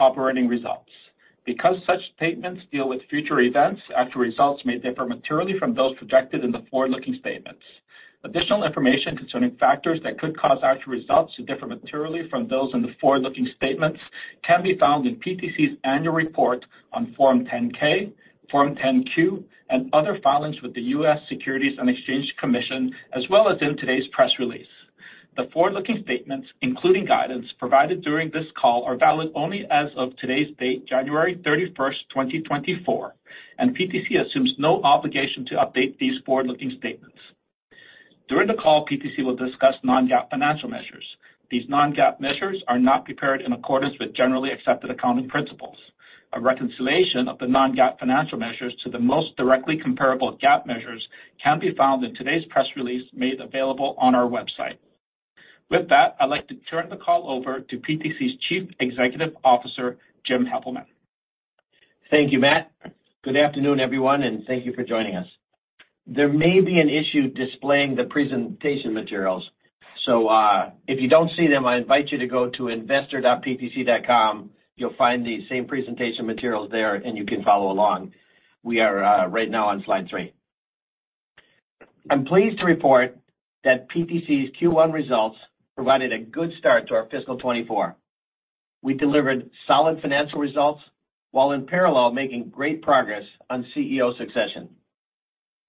Operating results. Because such statements deal with future events, actual results may differ materially from those projected in the forward-looking statements. Additional information concerning factors that could cause actual results to differ materially from those in the forward-looking statements can be found in PTC's annual report on Form 10-K, Form 10-Q, and other filings with the U.S. Securities and Exchange Commission, as well as in today's press release. The forward-looking statements, including guidance provided during this call, are valid only as of today's date, January 31, 2024, and PTC assumes no obligation to update these forward-looking statements. During the call, PTC will discuss non-GAAP financial measures. These non-GAAP measures are not prepared in accordance with generally accepted accounting principles. A reconciliation of the non-GAAP financial measures to the most directly comparable GAAP measures can be found in today's press release, made available on our website. With that, I'd like to turn the call over to PTC's Chief Executive Officer, James Heppelmann. Thank you, Matt. Good afternoon, everyone, and thank you for joining us. There may be an issue displaying the presentation materials, so, if you don't see them, I invite you to go to investor.ptc.com. You'll find the same presentation materials there, and you can follow along. We are right now on slide 3. I'm pleased to report that PTC's Q1 results provided a good start to our fiscal 2024. We delivered solid financial results, while in parallel, making great progress on CEO succession.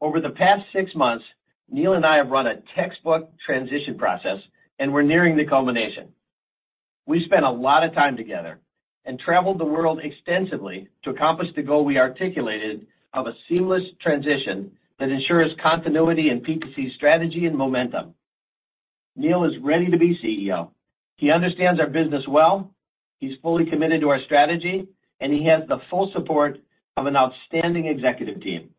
Over the past 6 months, Neil and I have run a textbook transition process, and we're nearing the culmination. We spent a lot of time together and traveled the world extensively to accomplish the goal we articulated of a seamless transition that ensures continuity in PTC's strategy and momentum. Neil is ready to be CEO. He understands our business well, he's fully committed to our strategy, and he has the full support of an outstanding executive team.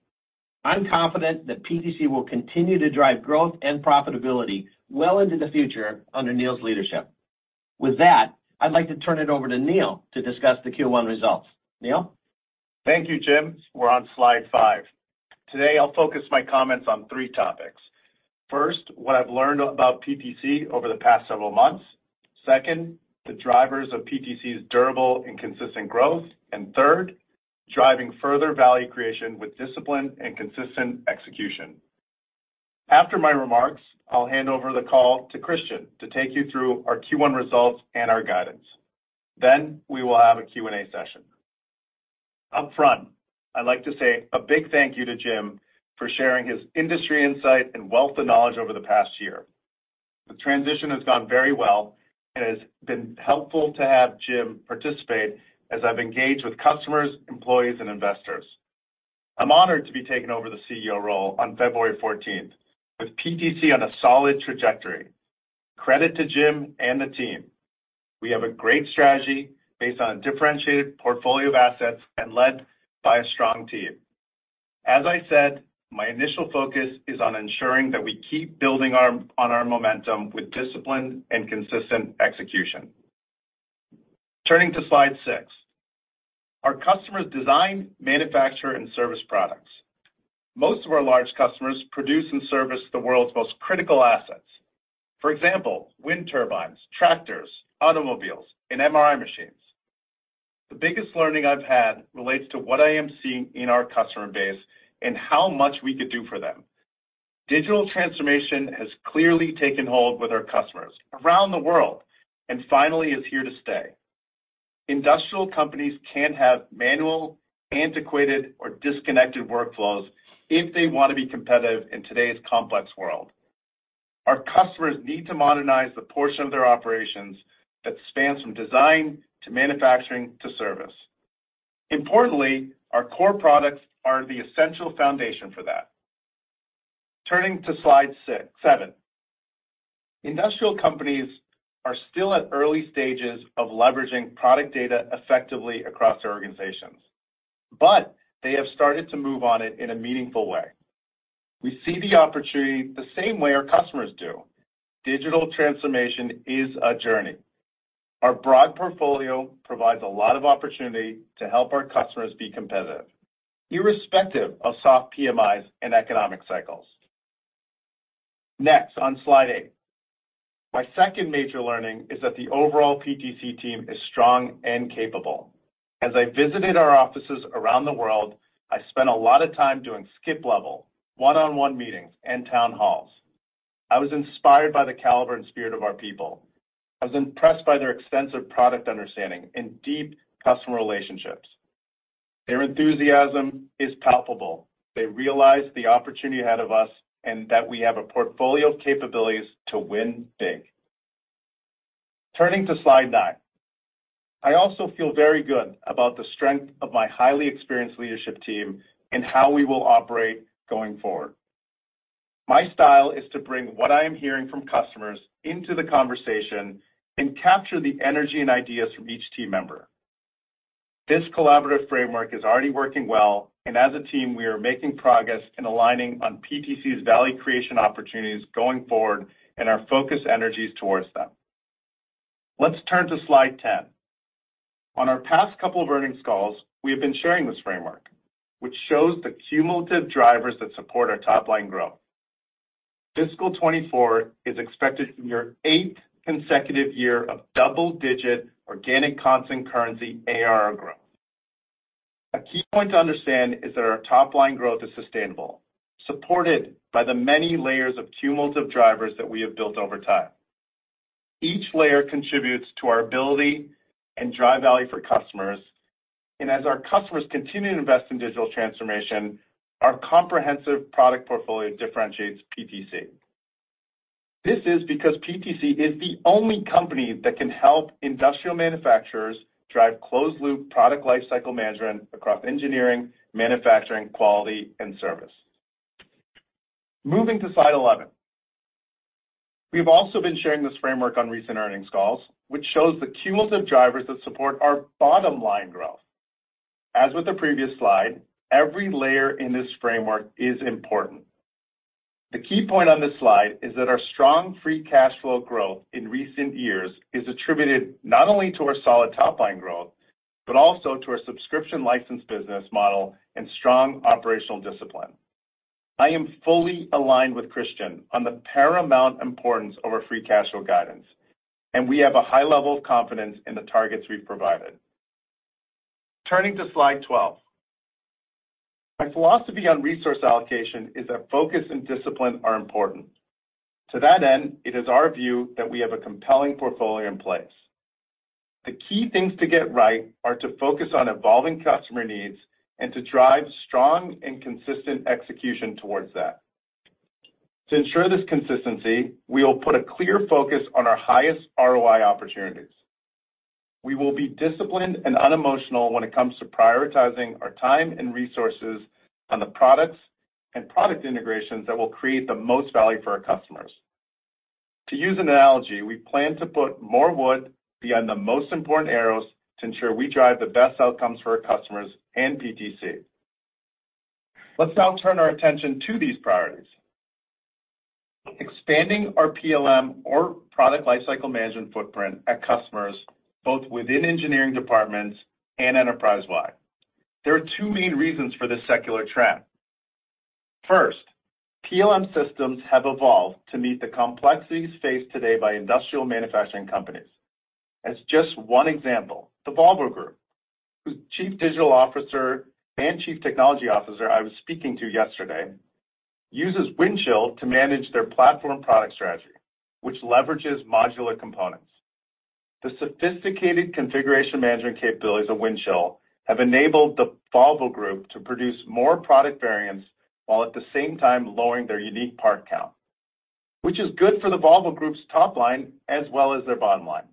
I'm confident that PTC will continue to drive growth and profitability well into the future under Neil's leadership. With that, I'd like to turn it over to Neil to discuss the Q1 results. Neil? Thank you, James. We're on slide 5. Today, I'll focus my comments on three topics. First, what I've learned about PTC over the past several months. Second, the drivers of PTC's durable and consistent growth. And third, driving further value creation with discipline and consistent execution. After my remarks, I'll hand over the call to Kristian to take you through our Q1 results and our guidance. Then we will have a Q&A session. Upfront, I'd like to say a big thank you to James for sharing his industry insight and wealth of knowledge over the past year. The transition has gone very well and has been helpful to have James participate as I've engaged with customers, employees, and investors. I'm honored to be taking over the CEO role on February fourteenth, with PTC on a solid trajectory. Credit to James and the team. We have a great strategy based on a differentiated portfolio of assets and led by a strong team. As I said, my initial focus is on ensuring that we keep building on our momentum with discipline and consistent execution. Turning to slide six. Our customers design, manufacture, and service products. Most of our large customers produce and service the world's most critical assets. For example, wind turbines, tractors, automobiles, and MRI machines. The biggest learning I've had relates to what I am seeing in our customer base and how much we could do for them. Digital transformation has clearly taken hold with our customers around the world and finally is here to stay. Industrial companies can't have manual, antiquated, or disconnected workflows if they want to be competitive in today's complex world. Our customers need to modernize the portion of their operations that spans from design to manufacturing to service. Importantly, our core products are the essential foundation for that. Turning to slide 6-7. Industrial companies are still at early stages of leveraging product data effectively across their organizations, but they have started to move on it in a meaningful way. We see the opportunity the same way our customers do. Digital transformation is a journey. Our broad portfolio provides a lot of opportunity to help our customers be competitive, irrespective of soft PMIs and economic cycles. Next, on slide 8. My second major learning is that the overall PTC team is strong and capable. As I visited our offices around the world, I spent a lot of time doing skip-level, one-on-one meetings, and town halls. I was inspired by the caliber and spirit of our people. I was impressed by their extensive product understanding and deep customer relationships. Their enthusiasm is palpable. They realize the opportunity ahead of us, and that we have a portfolio of capabilities to win big. Turning to slide 9. I also feel very good about the strength of my highly experienced leadership team and how we will operate going forward. My style is to bring what I am hearing from customers into the conversation and capture the energy and ideas from each team member. This collaborative framework is already working well, and as a team, we are making progress in aligning on PTC's value creation opportunities going forward and our focus energies towards them. Let's turn to slide 10. On our past couple of earnings calls, we have been sharing this framework, which shows the cumulative drivers that support our top-line growth.... Fiscal 2024 is expected to be our eighth consecutive year of double-digit organic constant currency ARR growth. A key point to understand is that our top line growth is sustainable, supported by the many layers of cumulative drivers that we have built over time. Each layer contributes to our ability and drive value for customers, and as our customers continue to invest in digital transformation, our comprehensive product portfolio differentiates PTC. This is because PTC is the only company that can help industrial manufacturers drive closed-loop product lifecycle management across engineering, manufacturing, quality, and service. Moving to slide 11. We've also been sharing this framework on recent earnings calls, which shows the cumulative drivers that support our bottom line growth. As with the previous slide, every layer in this framework is important. The key point on this slide is that our strong free cash flow growth in recent years is attributed not only to our solid top line growth, but also to our subscription license business model and strong operational discipline. I am fully aligned with Kristian on the paramount importance of our free cash flow guidance, and we have a high level of confidence in the targets we've provided. Turning to slide 12. My philosophy on resource allocation is that focus and discipline are important. To that end, it is our view that we have a compelling portfolio in place. The key things to get right are to focus on evolving customer needs and to drive strong and consistent execution towards that. To ensure this consistency, we will put a clear focus on our highest ROI opportunities. We will be disciplined and unemotional when it comes to prioritizing our time and resources on the products and product integrations that will create the most value for our customers. To use an analogy, we plan to put more wood behind the most important arrows to ensure we drive the best outcomes for our customers and PTC. Let's now turn our attention to these priorities. Expanding our PLM or product lifecycle management footprint at customers, both within engineering departments and enterprise-wide. There are two main reasons for this secular trend. First, PLM systems have evolved to meet the complexities faced today by industrial manufacturing companies. As just one example, the Volvo Group, whose Chief Digital Officer and Chief Technology Officer I was speaking to yesterday, uses Windchill to manage their platform product strategy, which leverages modular components. The sophisticated configuration management capabilities of Windchill have enabled the Volvo Group to produce more product variants, while at the same time lowering their unique part count, which is good for the Volvo Group's top line as well as their bottom line.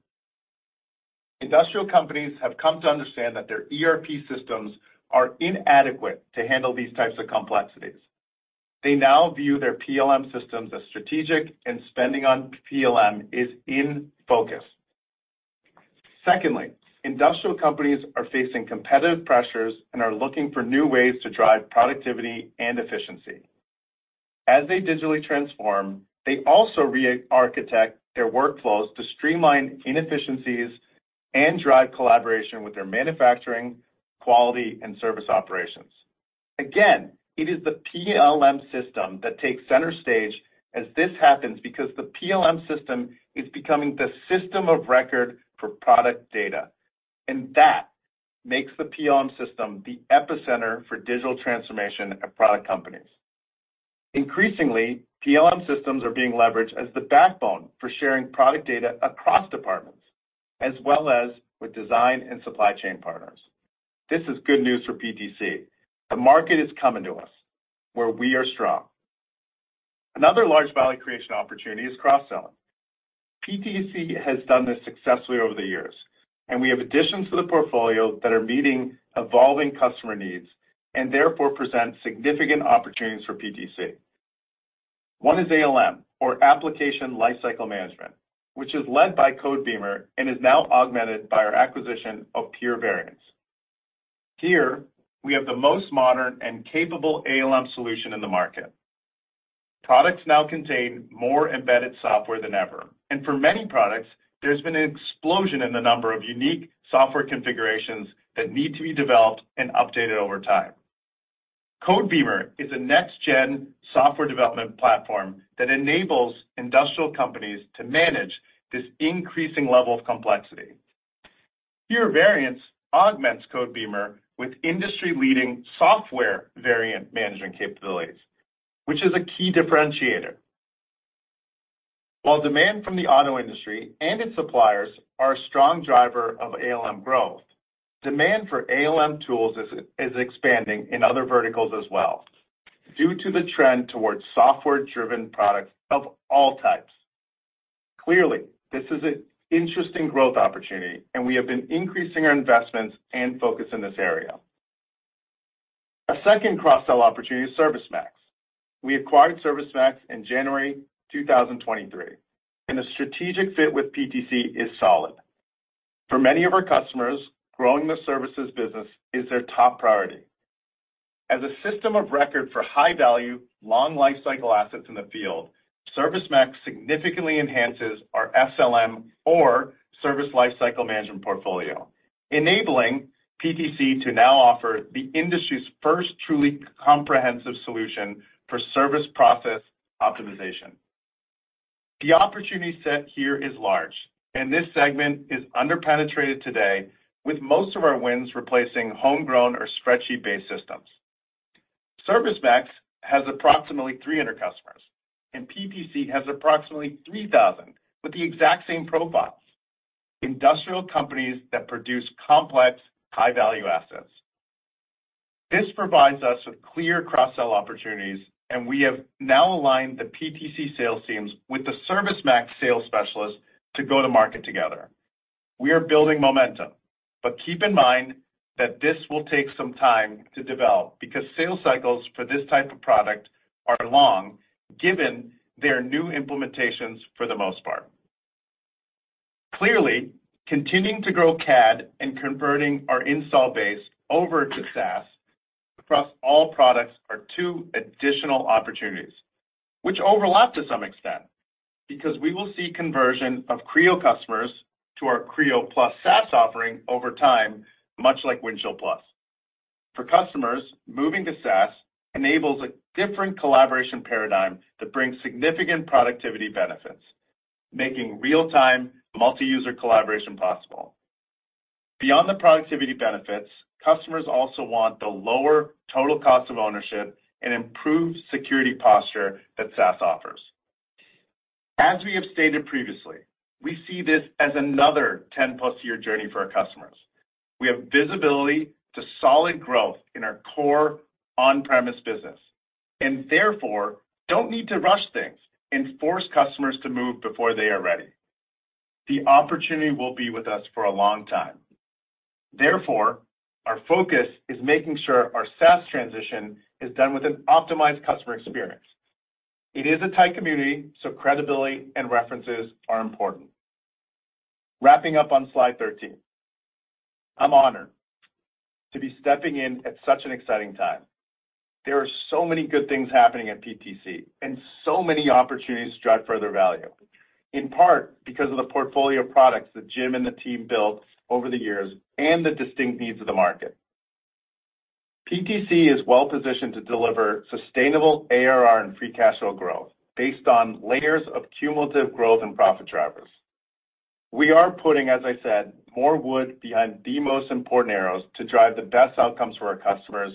Industrial companies have come to understand that their ERP systems are inadequate to handle these types of complexities. They now view their PLM systems as strategic, and spending on PLM is in focus. Secondly, industrial companies are facing competitive pressures and are looking for new ways to drive productivity and efficiency. As they digitally transform, they also re-architect their workflows to streamline inefficiencies and drive collaboration with their manufacturing, quality, and service operations. Again, it is the PLM system that takes center stage as this happens, because the PLM system is becoming the system of record for product data, and that makes the PLM system the epicenter for digital transformation of product companies. Increasingly, PLM systems are being leveraged as the backbone for sharing product data across departments, as well as with design and supply chain partners. This is good news for PTC. The market is coming to us where we are strong. Another large value creation opportunity is cross-selling. PTC has done this successfully over the years, and we have additions to the portfolio that are meeting evolving customer needs and therefore present significant opportunities for PTC. One is ALM, or Application Lifecycle Management, which is led by Codebeamer and is now augmented by our acquisition of pure::variants. Here, we have the most modern and capable ALM solution in the market. Products now contain more embedded software than ever, and for many products, there's been an explosion in the number of unique software configurations that need to be developed and updated over time. Codebeamer is a next-gen software development platform that enables industrial companies to manage this increasing level of complexity. pure::variants augments Codebeamer with industry-leading software variant management capabilities, which is a key differentiator. While demand from the auto industry and its suppliers are a strong driver of ALM growth, demand for ALM tools is expanding in other verticals as well due to the trend towards software-driven products of all types. Clearly, this is an interesting growth opportunity, and we have been increasing our investments and focus in this area. A second cross-sell opportunity is ServiceMax. We acquired ServiceMax in January 2023, and the strategic fit with PTC is solid. For many of our customers, growing the services business is their top priority. As a system of record for high-value, long lifecycle assets in the field, ServiceMax significantly enhances our SLM or service lifecycle management portfolio.... enabling PTC to now offer the industry's first truly comprehensive solution for service process optimization. The opportunity set here is large, and this segment is under-penetrated today, with most of our wins replacing homegrown or spreadsheet-based systems. ServiceMax has approximately 300 customers, and PTC has approximately 3,000, with the exact same profiles, industrial companies that produce complex, high-value assets. This provides us with clear cross-sell opportunities, and we have now aligned the PTC sales teams with the ServiceMax sales specialists to go to market together. We are building momentum, but keep in mind that this will take some time to develop because sales cycles for this type of product are long, given their new implementations for the most part. Clearly, continuing to grow CAD and converting our install base over to SaaS across all products are two additional opportunities, which overlap to some extent, because we will see conversion of Creo customers to our Creo+ SaaS offering over time, much like Windchill+. For customers, moving to SaaS enables a different collaboration paradigm that brings significant productivity benefits, making real-time multi-user collaboration possible. Beyond the productivity benefits, customers also want the lower total cost of ownership and improved security posture that SaaS offers. As we have stated previously, we see this as another 10+ year journey for our customers. We have visibility to solid growth in our core on-premise business, and therefore, don't need to rush things and force customers to move before they are ready. The opportunity will be with us for a long time. Therefore, our focus is making sure our SaaS transition is done with an optimized customer experience. It is a tight community, so credibility and references are important. Wrapping up on slide 13. I'm honored to be stepping in at such an exciting time. There are so many good things happening at PTC and so many opportunities to drive further value, in part because of the portfolio of products that James and the team built over the years and the distinct needs of the market. PTC is well positioned to deliver sustainable ARR and free cash flow growth based on layers of cumulative growth and profit drivers. We are putting, as I said, more wood behind the most important arrows to drive the best outcomes for our customers,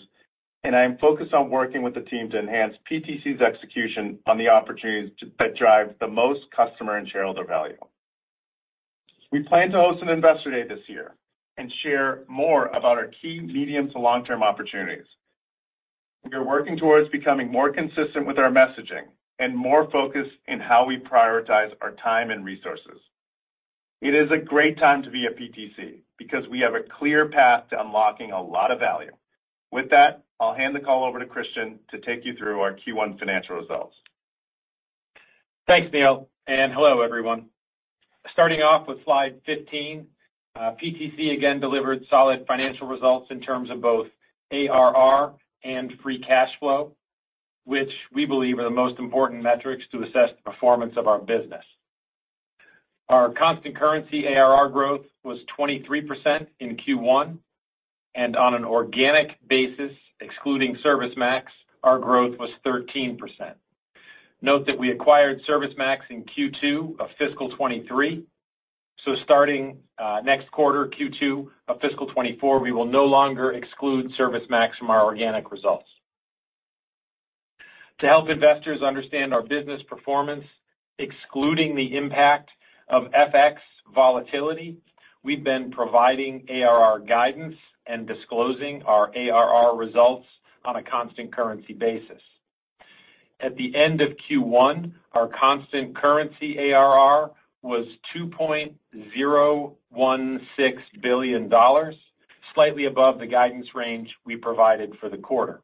and I am focused on working with the team to enhance PTC's execution on the opportunities that drive the most customer and shareholder value. We plan to host an investor day this year and share more about our key medium to long-term opportunities. We are working towards becoming more consistent with our messaging and more focused in how we prioritize our time and resources. It is a great time to be at PTC because we have a clear path to unlocking a lot of value. With that, I'll hand the call over to Kristian to take you through our Q1 financial results. Thanks, Neil, and hello, everyone. Starting off with slide 15, PTC again delivered solid financial results in terms of both ARR and free cash flow, which we believe are the most important metrics to assess the performance of our business. Our constant currency ARR growth was 23% in Q1, and on an organic basis, excluding ServiceMax, our growth was 13%. Note that we acquired ServiceMax in Q2 of fiscal 2023, so starting next quarter, Q2 of fiscal 2024, we will no longer exclude ServiceMax from our organic results. To help investors understand our business performance, excluding the impact of FX volatility, we've been providing ARR guidance and disclosing our ARR results on a constant currency basis. At the end of Q1, our constant currency ARR was $2.016 billion, slightly above the guidance range we provided for the quarter.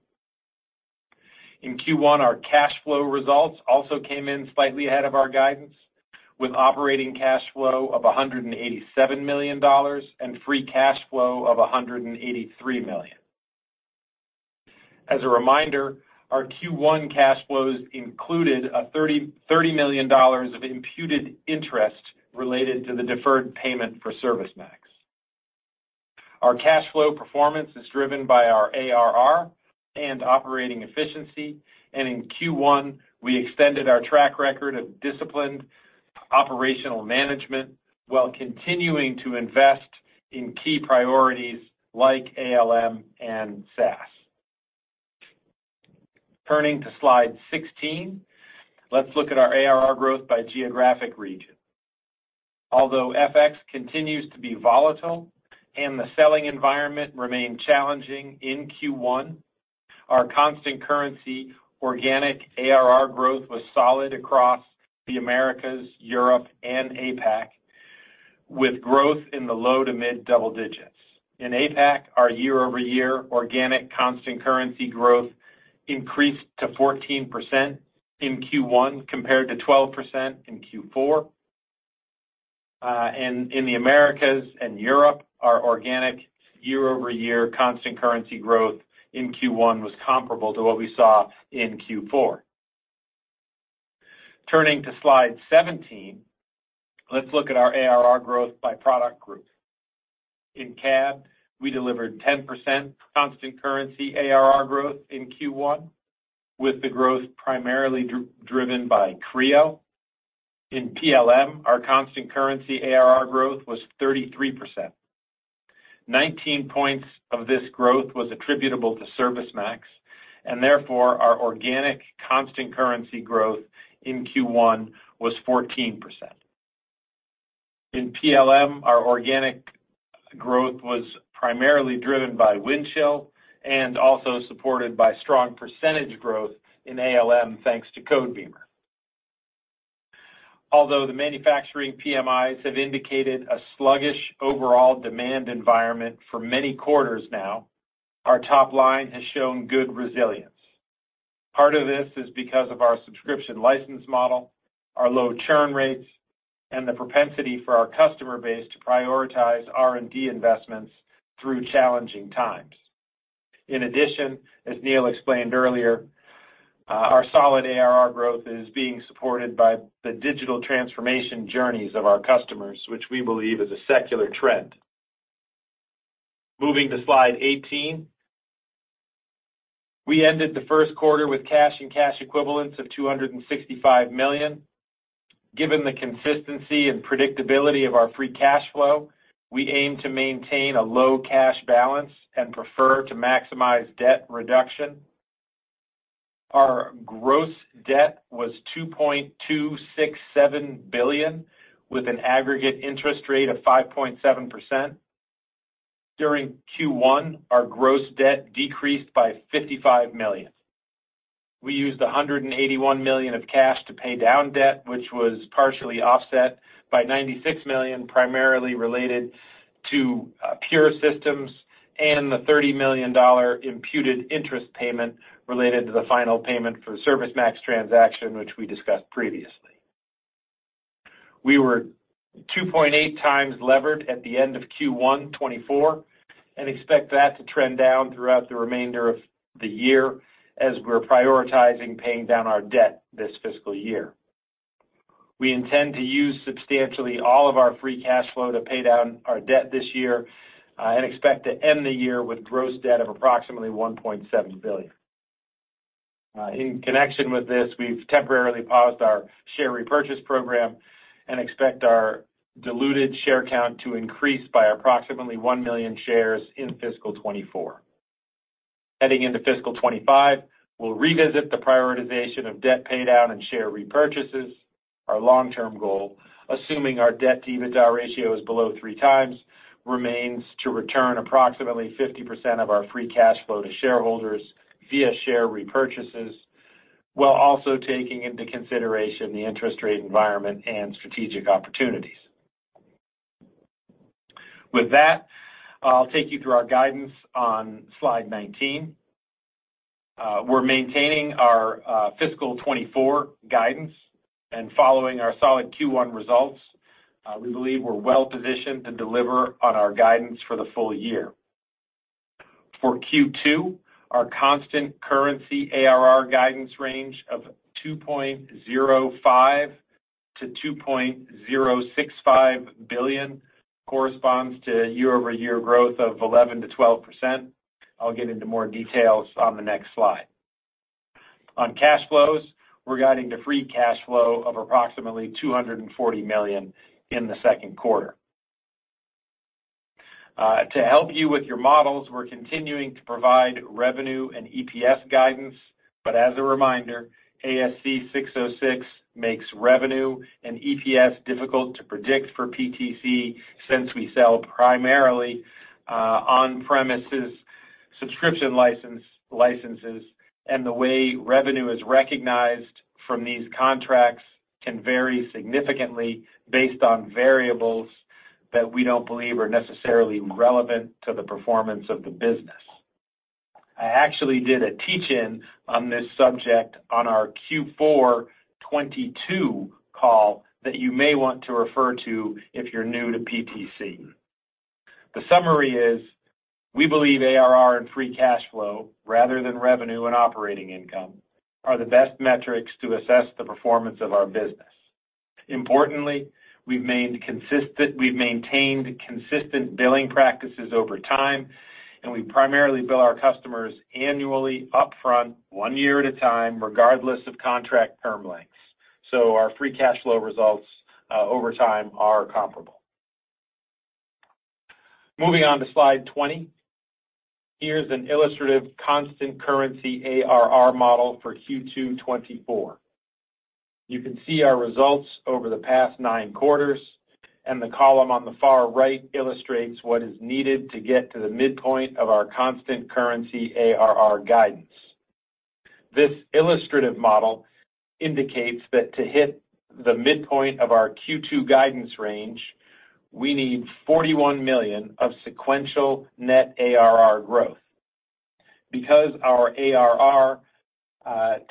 In Q1, our cash flow results also came in slightly ahead of our guidance, with operating cash flow of $187 million and free cash flow of $183 million. As a reminder, our Q1 cash flows included $30 million of imputed interest related to the deferred payment for ServiceMax. Our cash flow performance is driven by our ARR and operating efficiency, and in Q1, we extended our track record of disciplined operational management while continuing to invest in key priorities like ALM and SaaS. Turning to slide 16, let's look at our ARR growth by geographic region. Although FX continues to be volatile and the selling environment remained challenging in Q1, our constant currency organic ARR growth was solid across the Americas, Europe, and APAC, with growth in the low to mid double digits. In APAC, our year-over-year organic constant currency growth increased to 14% in Q1, compared to 12% in Q4. And in the Americas and Europe, our organic year-over-year constant currency growth in Q1 was comparable to what we saw in Q4. Turning to Slide 17, let's look at our ARR growth by product group. In CAD, we delivered 10% constant currency ARR growth in Q1, with the growth primarily driven by Creo. In PLM, our constant currency ARR growth was 33%. 19 points of this growth was attributable to ServiceMax, and therefore, our organic constant currency growth in Q1 was 14%. In PLM, our organic growth was primarily driven by Windchill and also supported by strong percentage growth in ALM, thanks to Codebeamer. Although the manufacturing PMIs have indicated a sluggish overall demand environment for many quarters now, our top line has shown good resilience. Part of this is because of our subscription license model, our low churn rates, and the propensity for our customer base to prioritize R&D investments through challenging times. In addition, as Neil explained earlier, our solid ARR growth is being supported by the digital transformation journeys of our customers, which we believe is a secular trend. Moving to Slide 18. We ended the first quarter with cash and cash equivalents of $265 million. Given the consistency and predictability of our free cash flow, we aim to maintain a low cash balance and prefer to maximize debt reduction. Our gross debt was $2.267 billion, with an aggregate interest rate of 5.7%. During Q1, our gross debt decreased by $55 million. We used $181 million of cash to pay down debt, which was partially offset by $96 million, primarily related to Pure Systems and the $30 million imputed interest payment related to the final payment for the ServiceMax transaction, which we discussed previously. We were 2.8 times levered at the end of Q1 2024 and expect that to trend down throughout the remainder of the year as we're prioritizing paying down our debt this fiscal year. We intend to use substantially all of our free cash flow to pay down our debt this year and expect to end the year with gross debt of approximately $1.7 billion. In connection with this, we've temporarily paused our share repurchase program and expect our diluted share count to increase by approximately 1 million shares in fiscal 2024. Heading into fiscal 2025, we'll revisit the prioritization of debt paydown and share repurchases. Our long-term goal, assuming our debt-to-EBITDA ratio is below three times, remains to return approximately 50% of our free cash flow to shareholders via share repurchases, while also taking into consideration the interest rate environment and strategic opportunities. With that, I'll take you through our guidance on Slide 19. We're maintaining our fiscal 2024 guidance, and following our solid Q1 results, we believe we're well positioned to deliver on our guidance for the full year. For Q2, our constant currency ARR guidance range of $2.05-$2.065 billion corresponds to year-over-year growth of 11%-12%. I'll get into more details on the next slide. On cash flows, we're guiding to free cash flow of approximately $240 million in the second quarter. To help you with your models, we're continuing to provide revenue and EPS guidance, but as a reminder, ASC 606 makes revenue and EPS difficult to predict for PTC, since we sell primarily on-premises subscription licenses, and the way revenue is recognized from these contracts can vary significantly based on variables that we don't believe are necessarily relevant to the performance of the business. I actually did a teach-in on this subject on our Q4 2022 call that you may want to refer to if you're new to PTC. The summary is, we believe ARR and free cash flow, rather than revenue and operating income, are the best metrics to assess the performance of our business. Importantly, we've maintained consistent billing practices over time, and we primarily bill our customers annually, upfront, one year at a time, regardless of contract term lengths. So our free cash flow results over time are comparable. Moving on to Slide 20. Here's an illustrative constant currency ARR model for Q2 2024. You can see our results over the past nine quarters, and the column on the far right illustrates what is needed to get to the midpoint of our constant currency ARR guidance. This illustrative model indicates that to hit the midpoint of our Q2 guidance range, we need 41 million of sequential net ARR growth. Because our ARR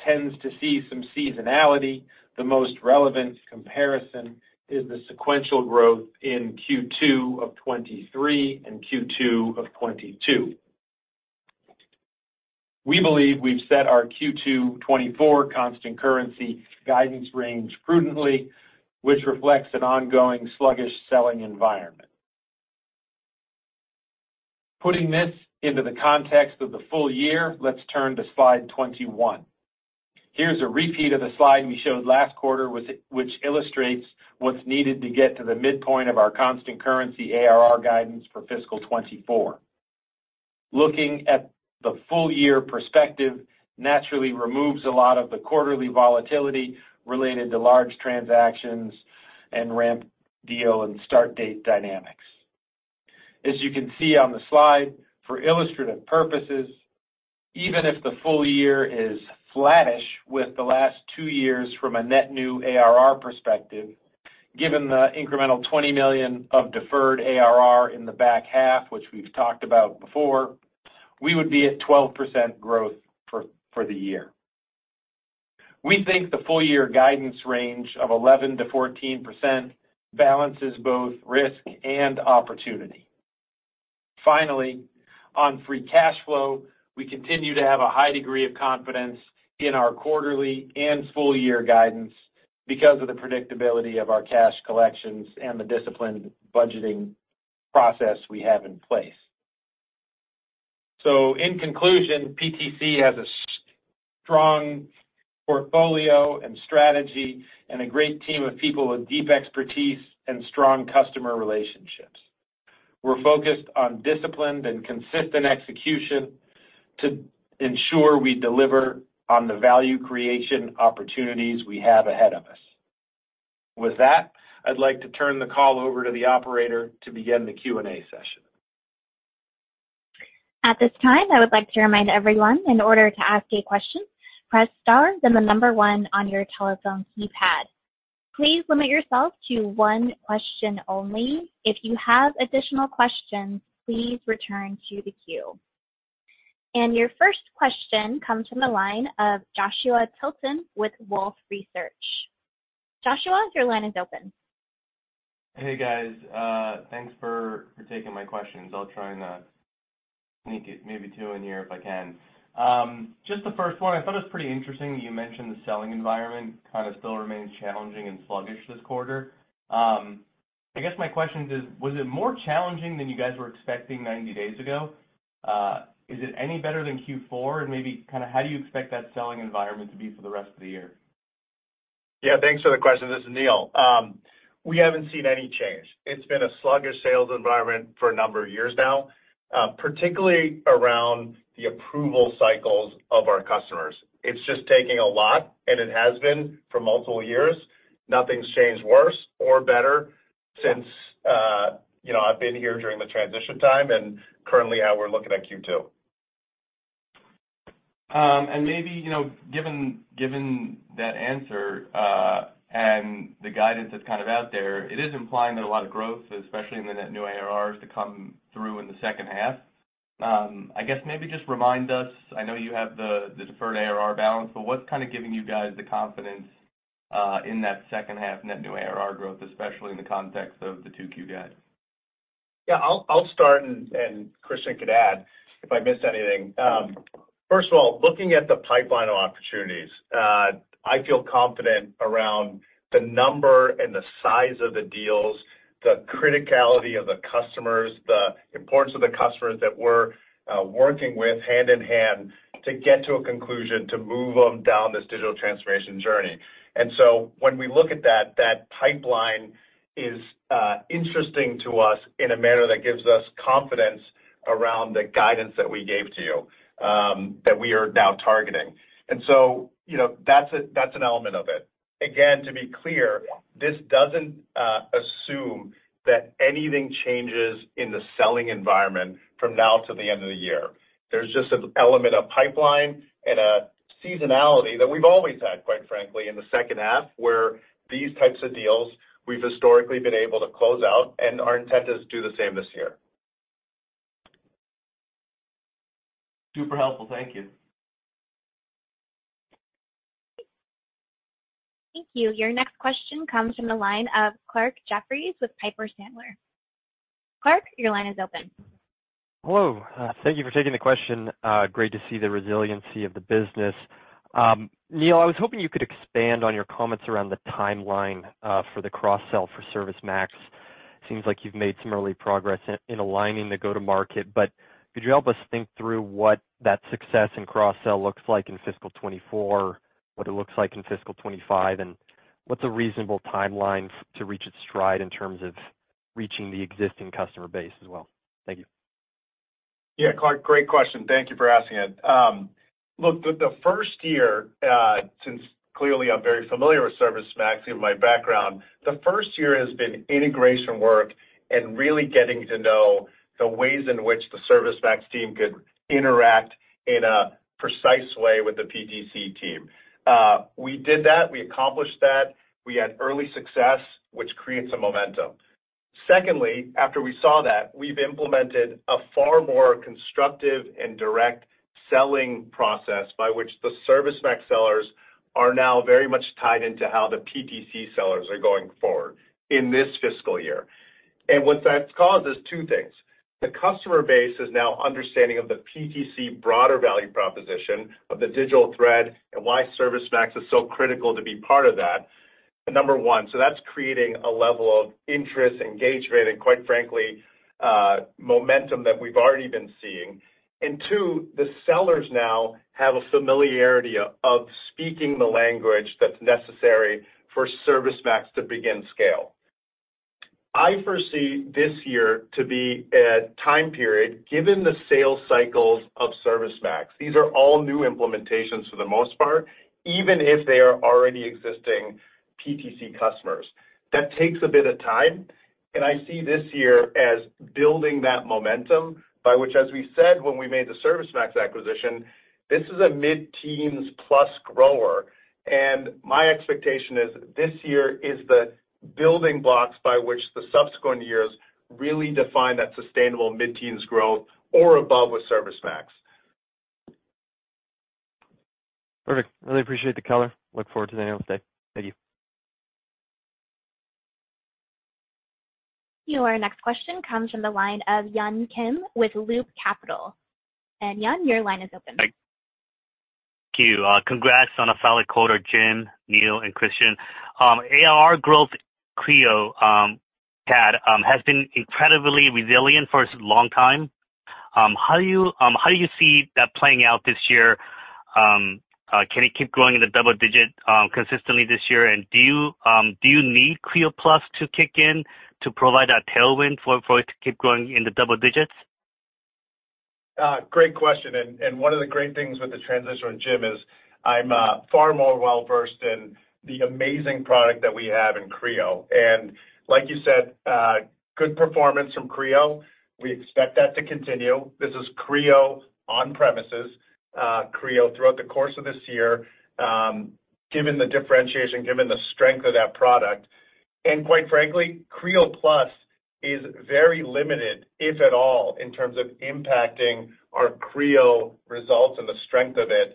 tends to see some seasonality, the most relevant comparison is the sequential growth in Q2 of 2023 and Q2 of 2022.... we believe we've set our Q2 2024 constant currency guidance range prudently, which reflects an ongoing sluggish selling environment. Putting this into the context of the full year, let's turn to slide 21. Here's a repeat of the slide we showed last quarter, which illustrates what's needed to get to the midpoint of our constant currency ARR guidance for fiscal 2024. Looking at the full year perspective naturally removes a lot of the quarterly volatility related to large transactions and ramp deal and start date dynamics. As you can see on the slide, for illustrative purposes, even if the full year is flattish with the last two years from a net new ARR perspective, given the incremental $20 million of deferred ARR in the back half, which we've talked about before, we would be at 12% growth for the year. We think the full year guidance range of 11%-14% balances both risk and opportunity. Finally, on Free Cash Flow, we continue to have a high degree of confidence in our quarterly and full year guidance because of the predictability of our cash collections and the disciplined budgeting process we have in place. So in conclusion, PTC has a strong portfolio and strategy and a great team of people with deep expertise and strong customer relationships. We're focused on disciplined and consistent execution to ensure we deliver on the value creation opportunities we have ahead of us. With that, I'd like to turn the call over to the operator to begin the Q&A session. At this time, I would like to remind everyone, in order to ask a question, press star, then the number one on your telephone keypad. Please limit yourself to one question only. If you have additional questions, please return to the queue. Your first question comes from the line of Joshua Tilton with Wolfe Research. Joshua, your line is open. Hey, guys. Thanks for taking my questions. I'll try and sneak it maybe 2 in here if I can. Just the first one, I thought it was pretty interesting that you mentioned the selling environment kind of still remains challenging and sluggish this quarter. I guess my question is, was it more challenging than you guys were expecting 90 days ago? Is it any better than Q4? And maybe kind of how do you expect that selling environment to be for the rest of the year? Yeah, thanks for the question. This is Neil. We haven't seen any change. It's been a sluggish sales environment for a number of years now, particularly around the approval cycles of our customers. It's just taking a lot, and it has been for multiple years. Nothing's changed worse or better since, you know, I've been here during the transition time and currently how we're looking at Q2. And maybe, you know, given, given that answer, and the guidance that's kind of out there, it is implying that a lot of growth, especially in the net new ARRs, to come through in the second half. I guess maybe just remind us, I know you have the, the deferred ARR balance, but what's kind of giving you guys the confidence, in that second half net new ARR growth, especially in the context of the 2Q guide? Yeah, I'll start, and Kristian could add if I miss anything. First of all, looking at the pipeline of opportunities, I feel confident around the number and the size of the deals, the criticality of the customers, the importance of the customers that we're working with hand in hand to get to a conclusion, to move them down this digital transformation journey. And so when we look at that pipeline is interesting to us in a manner that gives us confidence around the guidance that we gave to you, that we are now targeting. And so, you know, that's an element of it. Again, to be clear, this doesn't assume that anything changes in the selling environment from now to the end of the year. There's just an element of pipeline and a seasonality that we've always had, quite frankly, in the second half, where these types of deals we've historically been able to close out, and our intent is to do the same this year. Super helpful. Thank you. Thank you. Your next question comes from the line of Clarke Jeffries with Piper Sandler. Clarke, your line is open. Hello. Thank you for taking the question. Great to see the resiliency of the business. Neil, I was hoping you could expand on your comments around the timeline for the cross sell for ServiceMax. Seems like you've made some early progress in aligning the go-to-market, but could you help us think through what that success in cross sell looks like in fiscal 2024, what it looks like in fiscal 2025, and what's a reasonable timeline to reach its stride in terms of reaching the existing customer base as well? Thank you. Yeah, Clarke, great question. Thank you for asking it. Look, the first year, since clearly I'm very familiar with ServiceMax, given my background, the first year has been integration work and really getting to know the ways in which the ServiceMax team could interact in a precise way with the PTC team. We did that. We accomplished that. We had early success, which creates a momentum. Secondly, after we saw that, we've implemented a far more constructive and direct selling process by which the ServiceMax sellers are now very much tied into how the PTC sellers are going forward in this fiscal year. And what that's caused is two things: The customer base is now understanding of the PTC broader value proposition of the Digital Thread, and why ServiceMax is so critical to be part of that, number one, so that's creating a level of interest, engagement, and quite frankly, momentum that we've already been seeing. And two, the sellers now have a familiarity of speaking the language that's necessary for ServiceMax to begin scale. I foresee this year to be a time period, given the sales cycles of ServiceMax. These are all new implementations for the most part, even if they are already existing PTC customers. That takes a bit of time, and I see this year as building that momentum, by which, as we said, when we made the ServiceMax acquisition, this is a mid-teens plus grower. My expectation is, this year is the building blocks by which the subsequent years really define that sustainable mid-teens growth or above with ServiceMax. Perfect. Really appreciate the color. Look forward to the Analyst Day. Thank you. Your next question comes from the line of Yun Kim with Loop Capital. Yun, your line is open. Hi. Thank you. Congrats on a solid quarter, James, Neil, and Kristian. AR growth Creo has been incredibly resilient for a long time. How do you see that playing out this year? Can it keep growing in the double digit consistently this year? And do you need Creo+ to kick in to provide that tailwind for it to keep growing in the double digits? Great question. And one of the great things with the transition with James is I'm far more well-versed in the amazing product that we have in Creo. And like you said, good performance from Creo. We expect that to continue. This is Creo on premises, Creo throughout the course of this year, given the differentiation, given the strength of that product. And quite frankly, Creo+ is very limited, if at all, in terms of impacting our Creo results and the strength of it,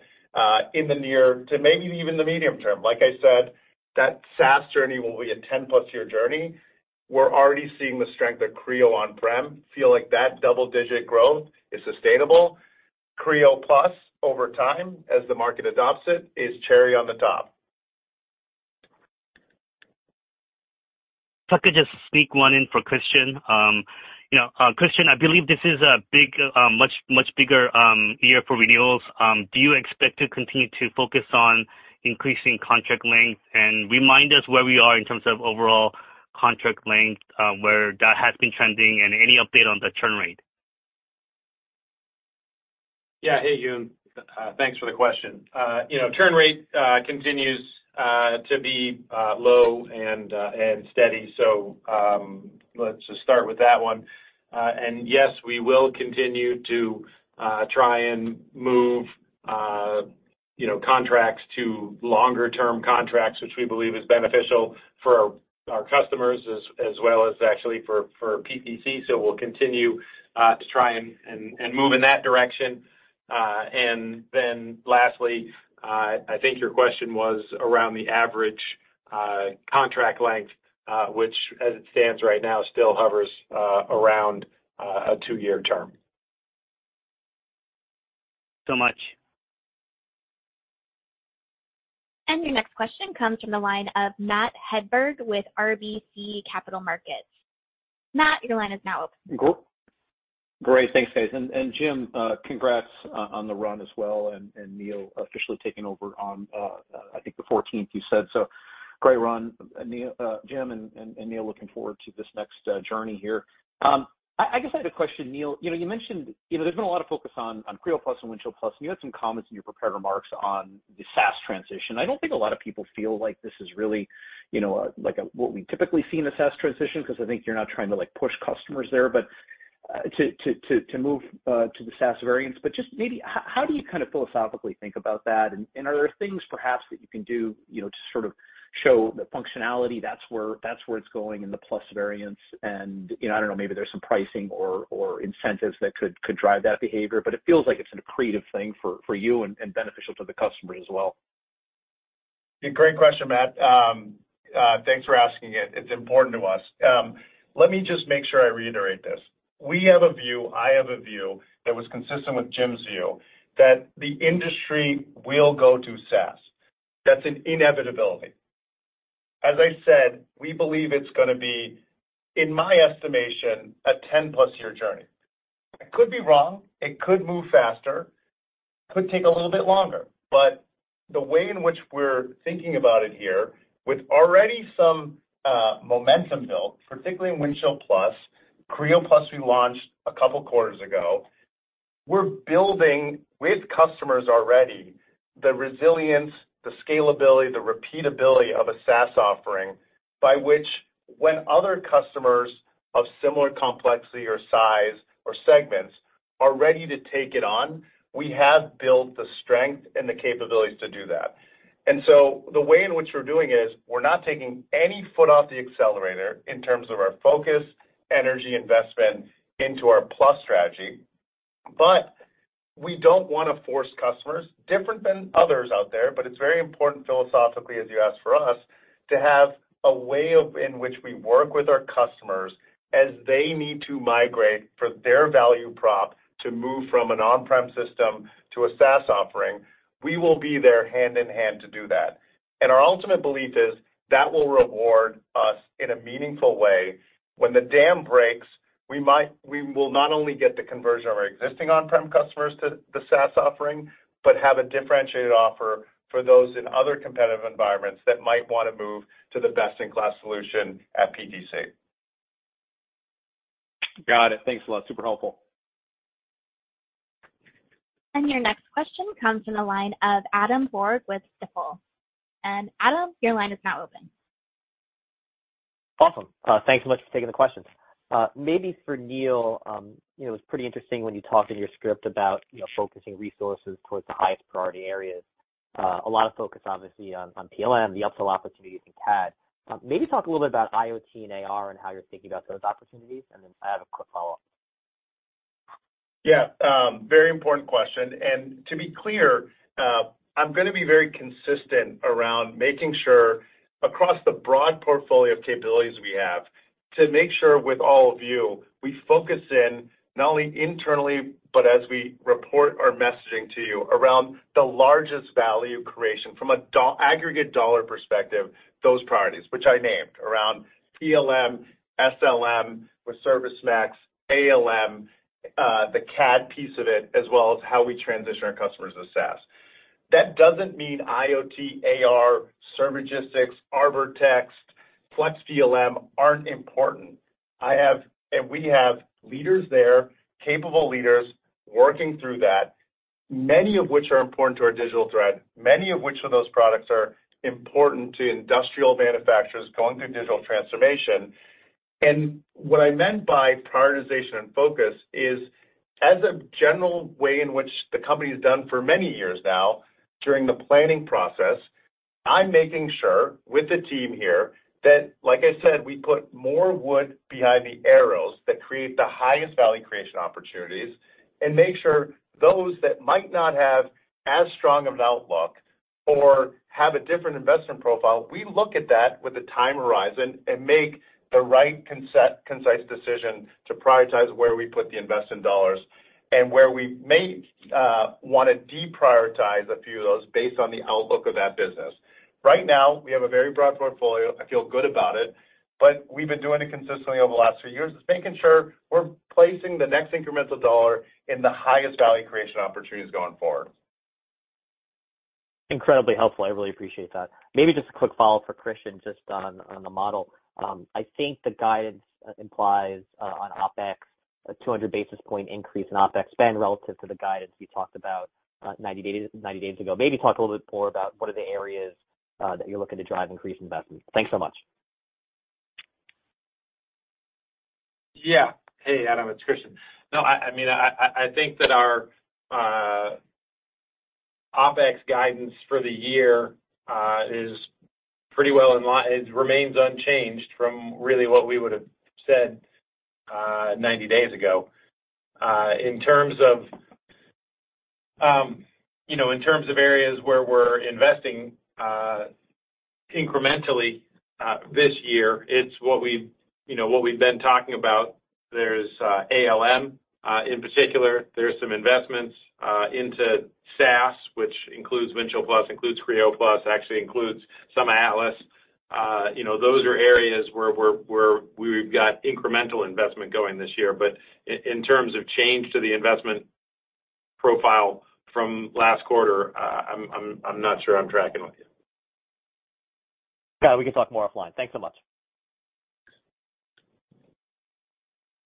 in the near to maybe even the medium term. Like I said, that SaaS journey will be a 10+ year journey. We're already seeing the strength of Creo on-prem, feel like that double-digit growth is sustainable. Creo+, over time, as the market adopts it, is cherry on the top. If I could just sneak one in for Kristian. You know, Kristian, I believe this is a much, much bigger year for renewals. Do you expect to continue to focus on increasing contract length? And remind us where we are in terms of overall contract length, where that has been trending, and any update on the churn rate. Yeah. Hey, Yun. Thanks for the question. You know, churn rate continues to be low and steady, so let's just start with that one. And yes, we will continue to try and move, you know, contracts to longer term contracts, which we believe is beneficial for our customers as well as actually for PTC. So we'll continue to try and move in that direction. And then lastly, I think your question was around the average contract length, which as it stands right now, still hovers around a two-year term. So much. And your next question comes from the line of Matt Hedberg with RBC Capital Markets. Matt, your line is now open. Great. Thanks, guys. And James, congrats on the run as well, and Neil officially taking over on, I think the fourteenth, you said. So great run, Neil, James and Neil, looking forward to this next journey here. I guess I had a question, Neil. You know, you mentioned, you know, there's been a lot of focus on Creo+ and Windchill+, and you had some comments in your prepared remarks on the SaaS transition. I don't think a lot of people feel like this is really, you know, like a, what we typically see in a SaaS transition, 'cause I think you're not trying to, like, push customers there, but to move to the SaaS variants. But just maybe, how do you kind of philosophically think about that? And are there things perhaps that you can do, you know, to sort of show the functionality that's where it's going in the pure::variants? And, you know, I don't know, maybe there's some pricing or incentives that could drive that behavior, but it feels like it's an accretive thing for you and beneficial to the customer as well. Yeah, great question, Matt. Thanks for asking it. It's important to us. Let me just make sure I reiterate this. We have a view, I have a view that was consistent with James's view, that the industry will go to SaaS. That's an inevitability. As I said, we believe it's gonna be, in my estimation, a 10+ year journey. I could be wrong, it could move faster, could take a little bit longer, but the way in which we're thinking about it here, with already some momentum built, particularly in Windchill+, Creo+ we launched a couple quarters ago. We're building with customers already, the resilience, the scalability, the repeatability of a SaaS offering by which when other customers of similar complexity or size or segments are ready to take it on, we have built the strength and the capabilities to do that. The way in which we're doing it is, we're not taking any foot off the accelerator in terms of our focus, energy, investment into our plus strategy. But we don't want to force customers, different than others out there, but it's very important philosophically, as you asked, for us, to have a way in which we work with our customers as they need to migrate for their value prop to move from an on-prem system to a SaaS offering. We will be there hand in hand to do that. And our ultimate belief is that will reward us in a meaningful way. When the dam breaks, we will not only get the conversion of our existing on-prem customers to the SaaS offering, but have a differentiated offer for those in other competitive environments that might want to move to the best-in-class solution at PTC. Got it. Thanks a lot. Super helpful. Your next question comes from the line of Adam Borg with Stifel. Adam, your line is now open. Awesome. Thanks so much for taking the questions. Maybe for Neil, you know, it's pretty interesting when you talk in your script about, you know, focusing resources towards the highest priority areas. A lot of focus, obviously, on PLM, the upsell opportunities in CAD. Maybe talk a little bit about IoT and AR and how you're thinking about those opportunities, and then I have a quick follow-up. Yeah, very important question. And to be clear, I'm gonna be very consistent around making sure across the broad portfolio of capabilities we have, to make sure with all of you, we focus in not only internally, but as we report our messaging to you around the largest value creation from an aggregate dollar perspective, those priorities, which I named, around PLM, SLM with ServiceMax, ALM, the CAD piece of it, as well as how we transition our customers to SaaS. That doesn't mean IoT, AR, Servigistics, Arbortext, FlexPLM aren't important. I have, and we have leaders there, capable leaders, working through that, many of which are important to our digital thread, many of which of those products are important to industrial manufacturers going through digital transformation. And what I meant by prioritization and focus is, as a general way in which the company has done for many years now, during the planning process, I'm making sure with the team here that, like I said, we put more wood behind the arrows that create the highest value creation opportunities and make sure those that might not have as strong of an outlook or have a different investment profile, we look at that with a time horizon and make the right concise decision to prioritize where we put the investment dollars and where we may want to deprioritize a few of those based on the outlook of that business. Right now, we have a very broad portfolio. I feel good about it, but we've been doing it consistently over the last few years, making sure we're placing the next incremental dollar in the highest value creation opportunities going forward. Incredibly helpful. I really appreciate that. Maybe just a quick follow-up for Kristian, just on the model. I think the guidance implies, on OpEx, a 200 basis point increase in OpEx spend relative to the guidance you talked about, 90 days ago. Maybe talk a little bit more about what are the areas that you're looking to drive increased investment. Thanks so much. Yeah. Hey, Adam, it's Kristian. No, I mean, I think that our OpEx guidance for the year is pretty well in line. It remains unchanged from really what we would have said 90 days ago. In terms of, you know, in terms of areas where we're investing incrementally this year, it's what we've, you know, what we've been talking about. There's ALM in particular, there's some investments into SaaS, which includes Windchill+, includes Creo+, actually includes some Atlas. You know, those are areas where we're, where we've got incremental investment going this year. But in terms of change to the investment profile from last quarter, I'm not sure I'm tracking with you. Got it. We can talk more offline. Thanks so much.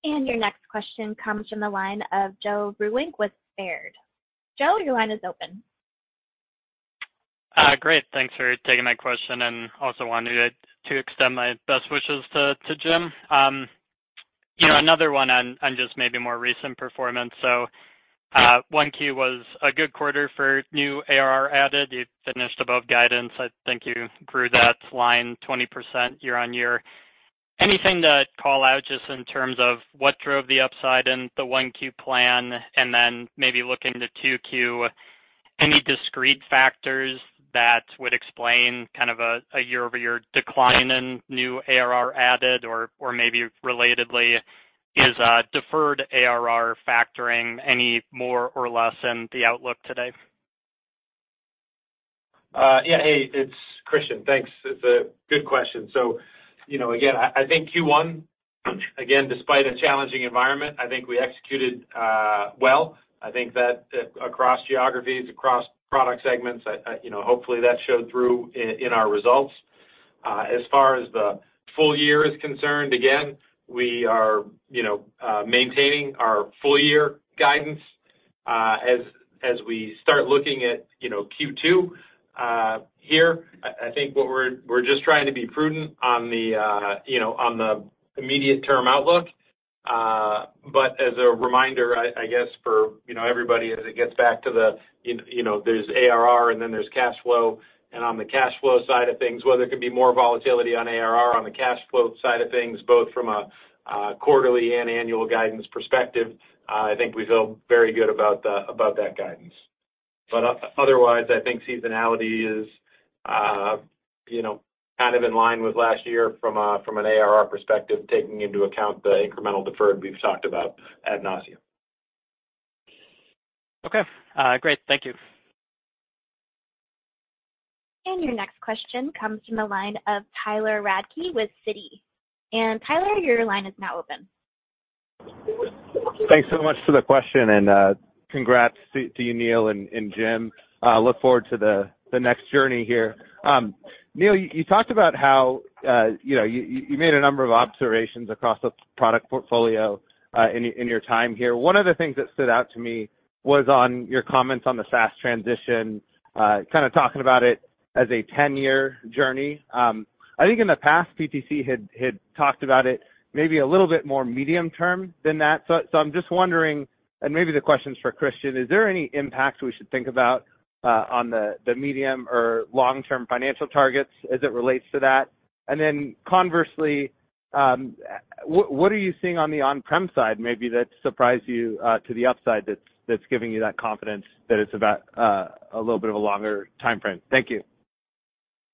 Your next question comes from the line of Joe Vruwink with Baird. Joe, your line is open. Great. Thanks for taking my question, and also wanted to extend my best wishes to James. You know, another one on just maybe more recent performance. So, one key was a good quarter for new ARR added. You finished above guidance. I think you grew that line 20% year-over-year. Anything to call out just in terms of what drove the upside in the 1Q plan, and then maybe looking to 2Q, any discrete factors that would explain kind of a year-over-year decline in new ARR added, or maybe relatedly, is deferred ARR factoring any more or less in the outlook today? Yeah, hey, it's Kristian. Thanks. It's a good question. So, you know, again, I think Q1, again, despite a challenging environment, I think we executed well. I think that across geographies, across product segments, I, you know, hopefully, that showed through in our results. As far as the full year is concerned, again, we are, you know, maintaining our full year guidance. As we start looking at, you know, Q2 here, I think what we're just trying to be prudent on the, you know, on the immediate term outlook. But as a reminder, I guess for, you know, everybody as it gets back to the, you know, there's ARR and then there's cash flow. On the cash flow side of things, while there could be more volatility on ARR, on the cash flow side of things, both from a quarterly and annual guidance perspective, I think we feel very good about that guidance. ...But otherwise, I think seasonality is, you know, kind of in line with last year from a, from an ARR perspective, taking into account the incremental deferred we've talked about ad nauseam. Okay. Great. Thank you. Your next question comes from the line of Tyler Radke with Citi. Tyler, your line is now open. Thanks so much for the question, and congrats to you, Neil and James. Look forward to the next journey here. Neil, you talked about how you know you made a number of observations across the product portfolio in your time here. One of the things that stood out to me was on your comments on the SaaS transition, kind of talking about it as a 10-year journey. I think in the past, PTC had talked about it maybe a little bit more medium-term than that. I'm just wondering, and maybe the question's for Kristian, is there any impact we should think about on the medium- or long-term financial targets as it relates to that? And then conversely, what are you seeing on the on-prem side, maybe, that surprised you to the upside, that's giving you that confidence that it's about a little bit of a longer timeframe? Thank you.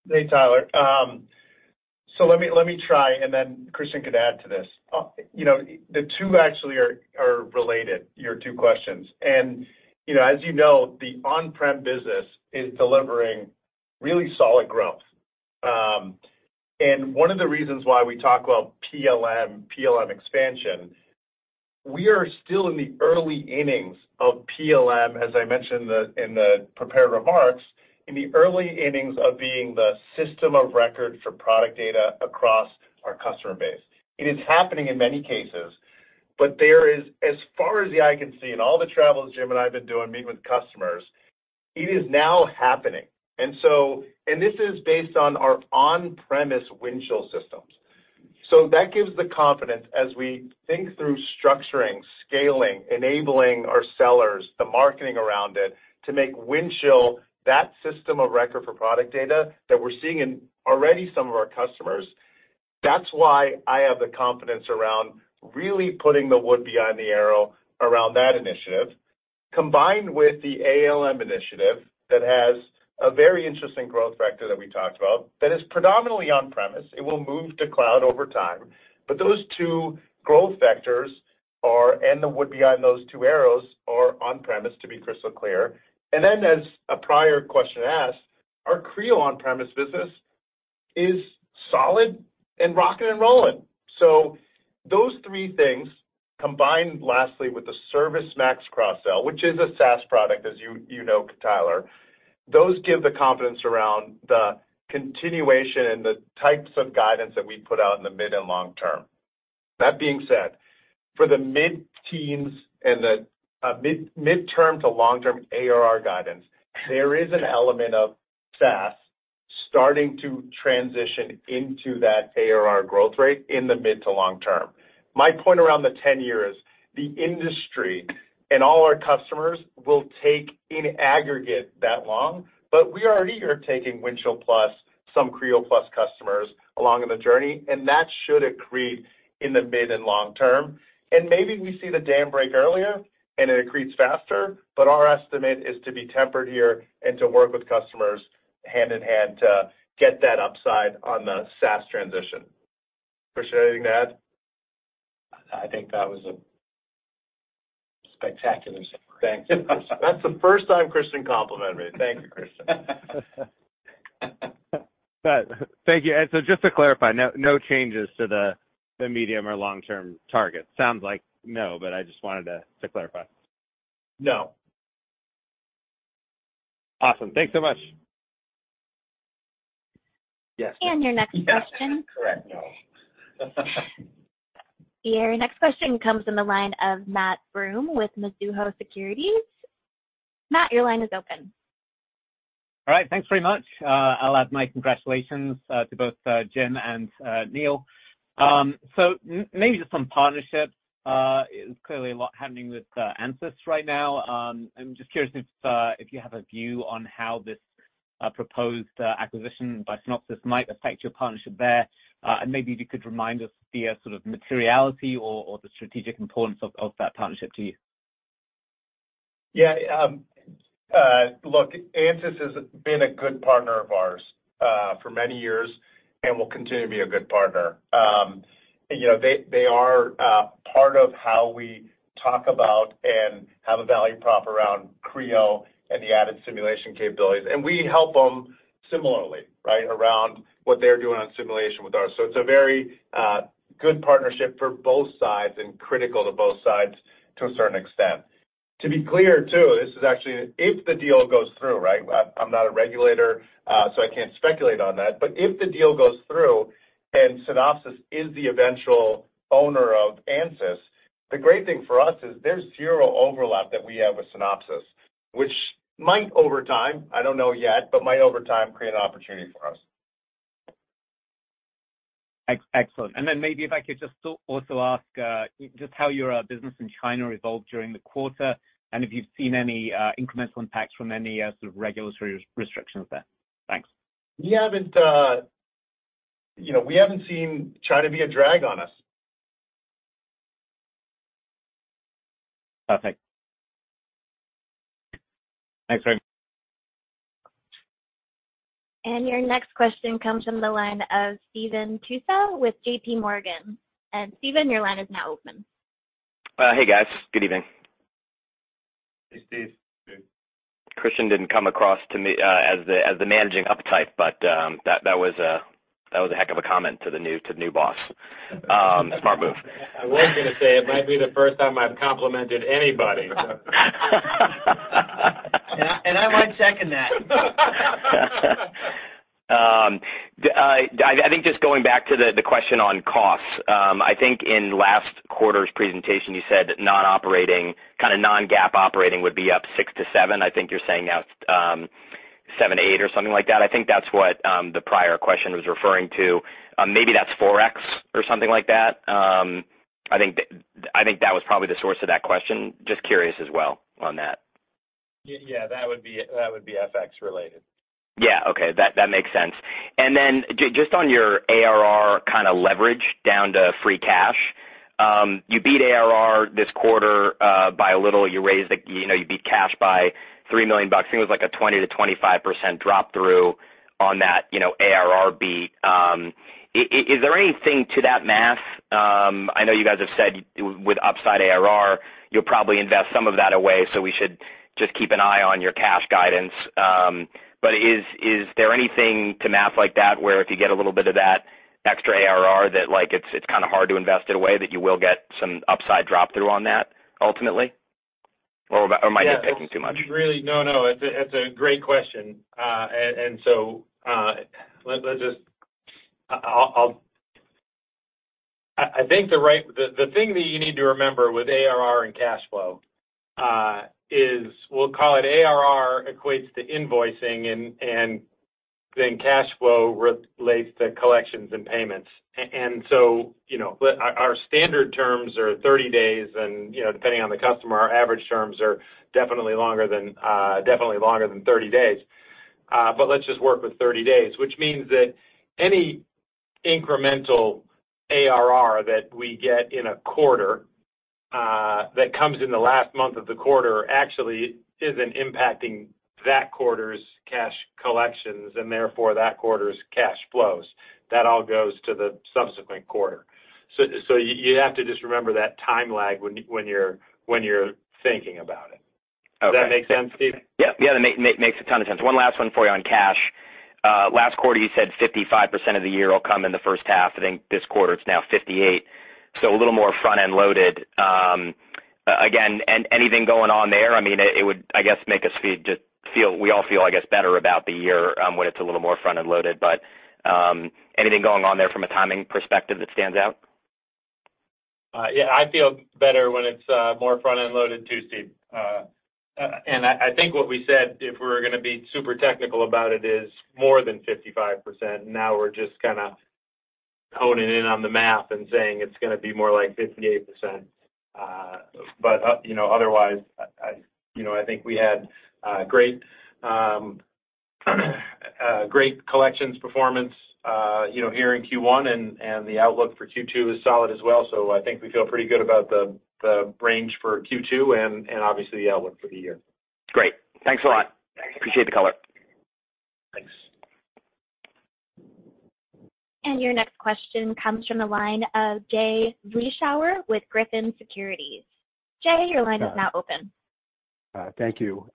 Hey, Tyler. So let me, let me try, and then Kristian could add to this. You know, the two actually are, are related, your two questions. And, you know, as you know, the on-prem business is delivering really solid growth. And one of the reasons why we talk about PLM, PLM expansion, we are still in the early innings of PLM, as I mentioned in the, in the prepared remarks, in the early innings of being the system of record for product data across our customer base. It is happening in many cases, but there is, as far as the eye can see, in all the travels James and I have been doing, meeting with customers, it is now happening. And so and this is based on our on-premise Windchill systems. So that gives the confidence as we think through structuring, scaling, enabling our sellers, the marketing around it, to make Windchill that system of record for product data that we're seeing in already some of our customers. That's why I have the confidence around really putting the wood behind the arrow around that initiative, combined with the ALM initiative, that has a very interesting growth factor that we talked about, that is predominantly on-premise. It will move to cloud over time. But those two growth factors are, and the wood behind those two arrows, are on-premise, to be crystal clear. And then, as a prior question asked, our Creo on-premise business is solid and rocking and rolling. So those three things, combined lastly with the ServiceMax cross-sell, which is a SaaS product, as you, you know, Tyler, those give the confidence around the continuation and the types of guidance that we put out in the mid and long term. That being said, for the mid-teens and the mid-term to long-term ARR guidance, there is an element of SaaS starting to transition into that ARR growth rate in the mid to long term. My point around the 10 years, the industry and all our customers will take, in aggregate, that long, but we already are taking Windchill+, some Creo+ customers along on the journey, and that should accrete in the mid and long term. Maybe we see the dam break earlier and it accretes faster, but our estimate is to be tempered here and to work with customers hand in hand to get that upside on the SaaS transition. Kristian, anything to add? I think that was a spectacular summary. Thank you. That's the first time Kristian complimented me. Thank you, Kristian. But thank you. And so just to clarify, no, no changes to the medium or long-term target? Sounds like no, but I just wanted to clarify. No. Awesome. Thanks so much. Yes. Your next question- Correct, no. Your next question comes from the line of Matt Broome with Mizuho Securities. Matt, your line is open. All right, thanks very much. I'll add my congratulations to both James and Neil. So maybe just on partnerships, clearly a lot happening with ANSYS right now. I'm just curious if you have a view on how this proposed acquisition by Synopsys might affect your partnership there. And maybe if you could remind us the sort of materiality or the strategic importance of that partnership to you. Yeah, look, ANSYS has been a good partner of ours, for many years and will continue to be a good partner. You know, they, they are, part of how we talk about and have a value prop around Creo and the added simulation capabilities. And we help them similarly, right, around what they're doing on simulation with us. So it's a very, good partnership for both sides and critical to both sides to a certain extent. To be clear, too, this is actually if the deal goes through, right? I'm not a regulator, so I can't speculate on that. But if the deal goes through and Synopsys is the eventual owner of ANSYS, the great thing for us is there's zero overlap that we have with Synopsys, which might over time, I don't know yet, but might over time, create an opportunity for us. Excellent. Then maybe if I could just also ask just how your business in China evolved during the quarter, and if you've seen any incremental impacts from any sort of regulatory restrictions there? Thanks. We haven't, you know, we haven't seen China be a drag on us.... Perfect. Thanks, Neil. Your next question comes from the line of Stephen Tusa with JPMorgan. Stephen, your line is now open.phHey, guys. Good evening. Hey, Steve. Kristian didn't come across to me as the managing-up type, but that was a heck of a comment to the new boss. Smart move. I was gonna say, it might be the first time I've complimented anybody. And I second that. I think just going back to the question on costs. I think in last quarter's presentation, you said non-operating, kind of non-GAAP operating would be up 6-7. I think you're saying now it's 7-8 or something like that. I think that's what the prior question was referring to. Maybe that's Forex or something like that. I think that was probably the source of that question. Just curious as well on that. Yeah, that would be, that would be FX related. Yeah. Okay, that makes sense. And then just on your ARR kind of leverage down to free cash. You beat ARR this quarter by a little, you raised the... You know, you beat cash by $3 million. I think it was like a 20%-25% drop through on that, you know, ARR beat. Is there anything to that math? I know you guys have said with upside ARR, you'll probably invest some of that away, so we should just keep an eye on your cash guidance. But is there anything to math like that, where if you get a little bit of that extra ARR that like, it's kind of hard to invest it away, that you will get some upside drop through on that ultimately? Or am I just picking too much? Really, no, no, it's a great question. And so, let's just... I'll think the right... The thing that you need to remember with ARR and cash flow is we'll call it ARR equates to invoicing, and then cash flow relates to collections and payments. And so, you know, but our standard terms are 30 days, and, you know, depending on the customer, our average terms are definitely longer than 30 days. But let's just work with 30 days, which means that any incremental ARR that we get in a quarter that comes in the last month of the quarter actually isn't impacting that quarter's cash collections, and therefore, that quarter's cash flows. That all goes to the subsequent quarter. So you have to just remember that time lag when you're thinking about it. Okay. Does that make sense, Steve? Yep. Yeah, that makes a ton of sense. One last one for you on cash. Last quarter, you said 55% of the year will come in the first half. I think this quarter it's now 58, so a little more front-end loaded. Again, anything going on there? I mean, it would, I guess, make us all feel better about the year when it's a little more front-end loaded. But anything going on there from a timing perspective that stands out? Yeah, I feel better when it's more front-end loaded too, Steve. And I think what we said, if we're gonna be super technical about it, is more than 55%. Now we're just kind of honing in on the math and saying it's gonna be more like 58%. But you know, otherwise, you know, I think we had great collections performance, you know, here in Q1, and the outlook for Q2 is solid as well. So I think we feel pretty good about the range for Q2 and obviously the outlook for the year. Great. Thanks a lot. Thanks. Appreciate the color. Thanks. Your next question comes from the line of Jay Vleeschhouwer with Griffin Securities. Jay, your line is now open. Thank you.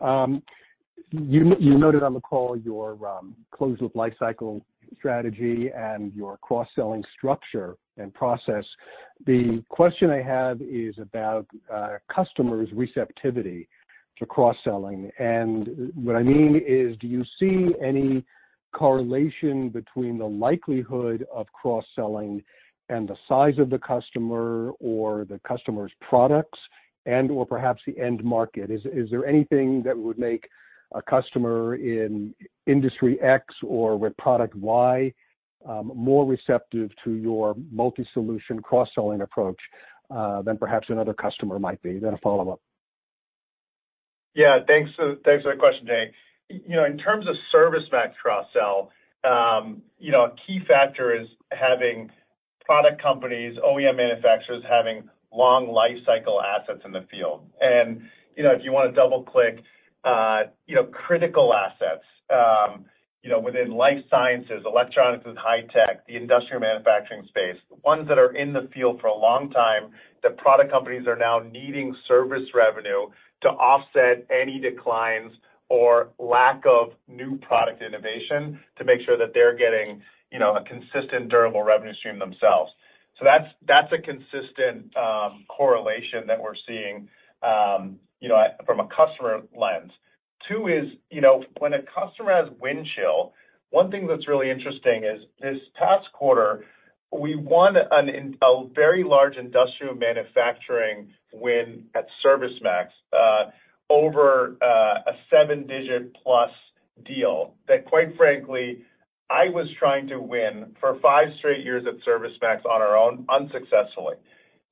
You noted on the call your close with lifecycle strategy and your cross-selling structure and process. The question I have is about customers' receptivity to cross-selling. And what I mean is, do you see any correlation between the likelihood of cross-selling and the size of the customer, or the customer's products, and/or perhaps the end market? Is there anything that would make a customer in industry X or with product Y more receptive to your multi-solution cross-selling approach than perhaps another customer might be? Then a follow-up. Yeah, thanks. Thanks for that question, Jay. You know, in terms of ServiceMax cross-sell, you know, a key factor is having product companies, OEM manufacturers, having long lifecycle assets in the field. And, you know, if you wanna double-click, you know, critical assets, you know, within life sciences, electronics and high tech, the industrial manufacturing space, ones that are in the field for a long time, the product companies are now needing service revenue to offset any declines or lack of new product innovation to make sure that they're getting, you know, a consistent, durable revenue stream themselves. So that's, that's a consistent correlation that we're seeing, you know, from a customer lens. Two is, you know, when a customer has Windchill, one thing that's really interesting is, this past quarter, we won a very large industrial manufacturing win at ServiceMax, over a seven-digit plus deal, that quite frankly, I was trying to win for 5 straight years at ServiceMax on our own unsuccessfully.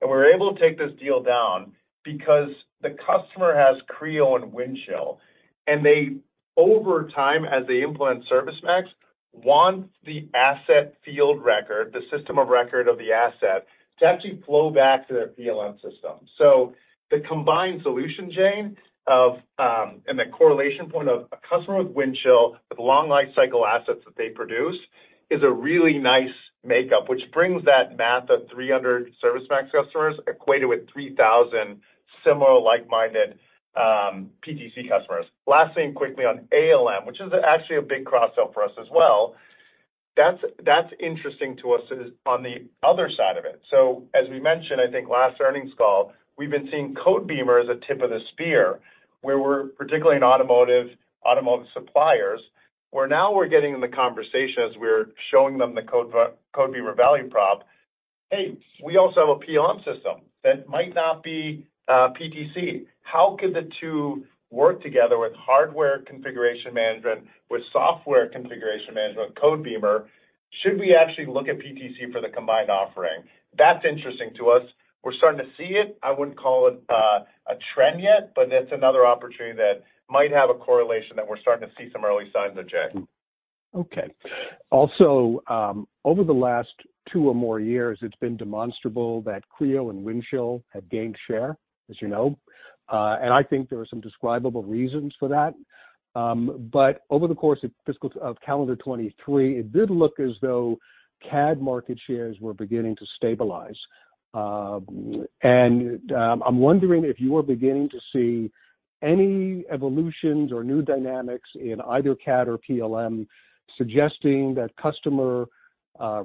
And we were able to take this deal down because the customer has Creo and Windchill, and they, over time, as they implement ServiceMax, want the asset field record, the system of record of the asset, to actually flow back to their PLM system. So the combined solution, Jay, of, and the correlation point of a customer with Windchill, with long lifecycle assets that they produce, is a really nice makeup, which brings that math of 300 ServiceMax customers equated with 3,000 similar like-minded, PTC customers. Last thing, quickly on ALM, which is actually a big cross-sell for us as well. That's, that's interesting to us is on the other side of it. So as we mentioned, I think last earnings call, we've been seeing Codebeamer as a tip of the spear, where we're particularly in automotive, automotive suppliers, where now we're getting in the conversation as we're showing them the Codebeamer value prop. Hey, we also have a PLM system that might not be, PTC. How could the two work together with hardware configuration management, with software configuration management Codebeamer? Should we actually look at PTC for the combined offering? That's interesting to us. We're starting to see it. I wouldn't call it, a trend yet, but that's another opportunity that might have a correlation that we're starting to see some early signs of, Jay. Okay. Also, over the last two or more years, it's been demonstrable that Creo and Windchill have gained share, as you know. And I think there are some describable reasons for that. But over the course of calendar 2023, it did look as though CAD market shares were beginning to stabilize. And I'm wondering if you are beginning to see any evolutions or new dynamics in either CAD or PLM, suggesting that customer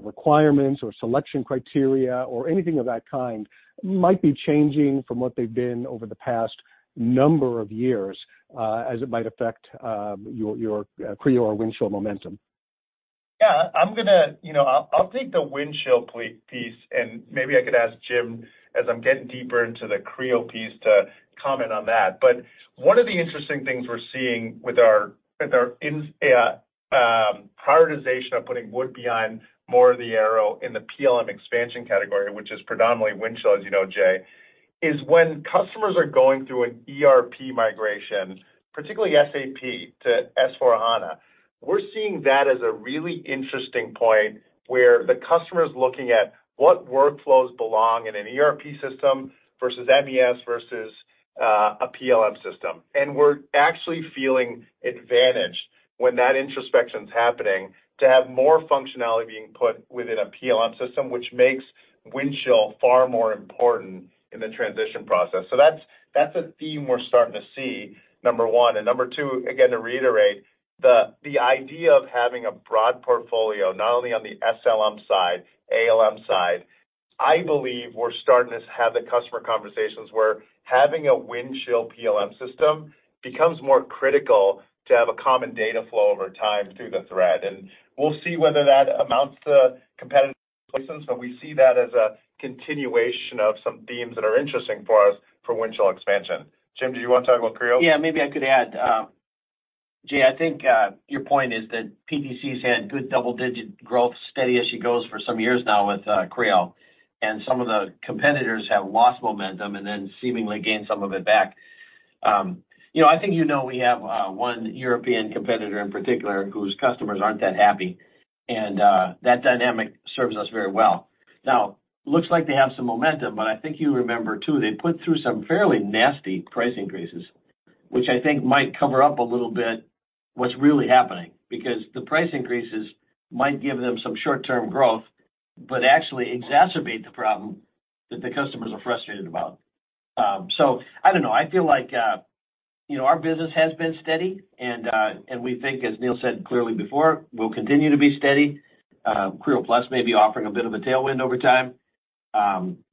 requirements or selection criteria or anything of that kind might be changing from what they've been over the past number of years, as it might affect your Creo or Windchill momentum. Yeah, I'm gonna... You know, I'll, I'll take the Windchill piece, and maybe I could ask James, as I'm getting deeper into the Creo piece, to comment on that. But one of the interesting things we're seeing with our prioritization of putting wood behind more of the arrow in the PLM expansion category, which is predominantly Windchill, as you know, Jay, is when customers are going through an ERP migration, particularly SAP to S/4HANA, we're seeing that as a really interesting point, where the customer is looking at what workflows belong in an ERP system versus MES versus a PLM system. And we're actually feeling advantaged when that introspection is happening, to have more functionality being put within a PLM system, which makes Windchill far more important in the transition process. So that's, that's a theme we're starting to see, number one. And number two, again, to reiterate, the idea of having a broad portfolio, not only on the SLM side, ALM side. I believe we're starting to have the customer conversations, where having a Windchill PLM system becomes more critical to have a common data flow over time through the thread. And we'll see whether that amounts to competitive placements, but we see that as a continuation of some themes that are interesting for us for Windchill expansion. James, do you want to talk about Creo? Yeah, maybe I could add. Jay, I think your point is that PTC's had good double-digit growth, steady as she goes for some years now with Creo, and some of the competitors have lost momentum and then seemingly gained some of it back. You know, I think you know we have one European competitor in particular, whose customers aren't that happy, and that dynamic serves us very well. Now, looks like they have some momentum, but I think you remember, too, they put through some fairly nasty price increases, which I think might cover up a little bit what's really happening. Because the price increases might give them some short-term growth, but actually exacerbate the problem that the customers are frustrated about. So I don't know. I feel like, you know, our business has been steady, and we think, as Neil said clearly before, we'll continue to be steady. Creo+ may be offering a bit of a tailwind over time.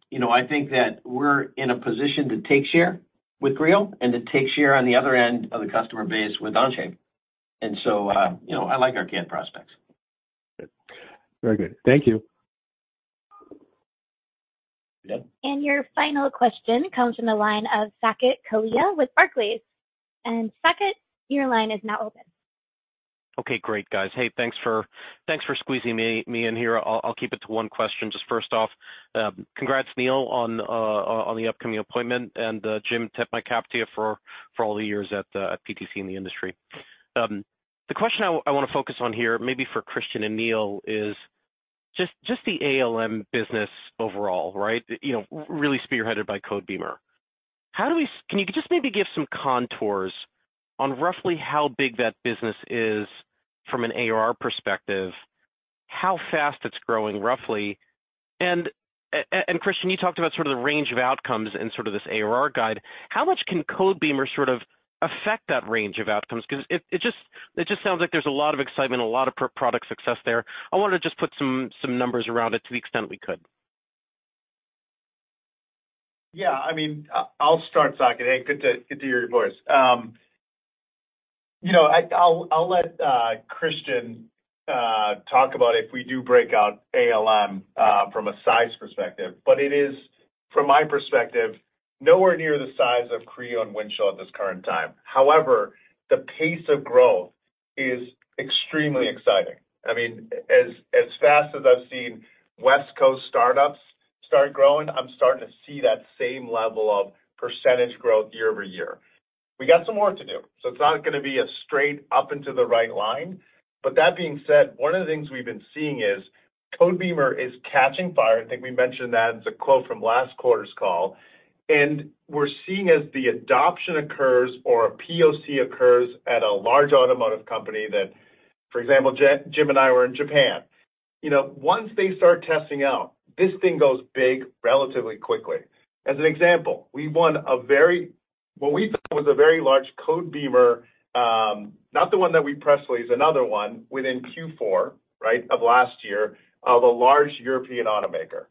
You know, I think that we're in a position to take share with Creo and to take share on the other end of the customer base with Onshape. And so, you know, I like our CAD prospects. Very good. Thank you. Yeah. Your final question comes from the line of Saket Kalia with Barclays. Saket, your line is now open. Okay, great, guys. Hey, thanks for squeezing me in here. I'll keep it to one question. Just first off, congrats, Neil, on the upcoming appointment, and, James, tip my cap to you for all the years at PTC in the industry. The question I wanna focus on here, maybe for Kristian and Neil, is just the ALM business overall, right? You know, really spearheaded by Codebeamer. Can you just maybe give some contours on roughly how big that business is from an ARR perspective, how fast it's growing, roughly? And, Kristian, you talked about sort of the range of outcomes and sort of this ARR guide. How much can Codebeamer sort of affect that range of outcomes? Because it just sounds like there's a lot of excitement, a lot of pro-product success there. I wanted to just put some numbers around it to the extent we could. Yeah, I mean, I'll start, Saket. Hey, good to hear your voice. You know, I'll let Kristian talk about if we do break out ALM from a size perspective, but it is, from my perspective, nowhere near the size of Creo and Windchill at this current time. However, the pace of growth is extremely exciting. I mean, as fast as I've seen West Coast startups start growing, I'm starting to see that same level of percentage growth year over year. We got some more to do, so it's not gonna be a straight up into the right line. But that being said, one of the things we've been seeing is Codebeamer is catching fire. I think we mentioned that as a quote from last quarter's call, and we're seeing as the adoption occurs or a POC occurs at a large automotive company, that, for example, James and I were in Japan. You know, once they start testing out, this thing goes big relatively quickly. As an example, we won a very, what we thought was a very large Codebeamer, not the one that we press released, another one within Q4, right, of last year, of a large European automaker.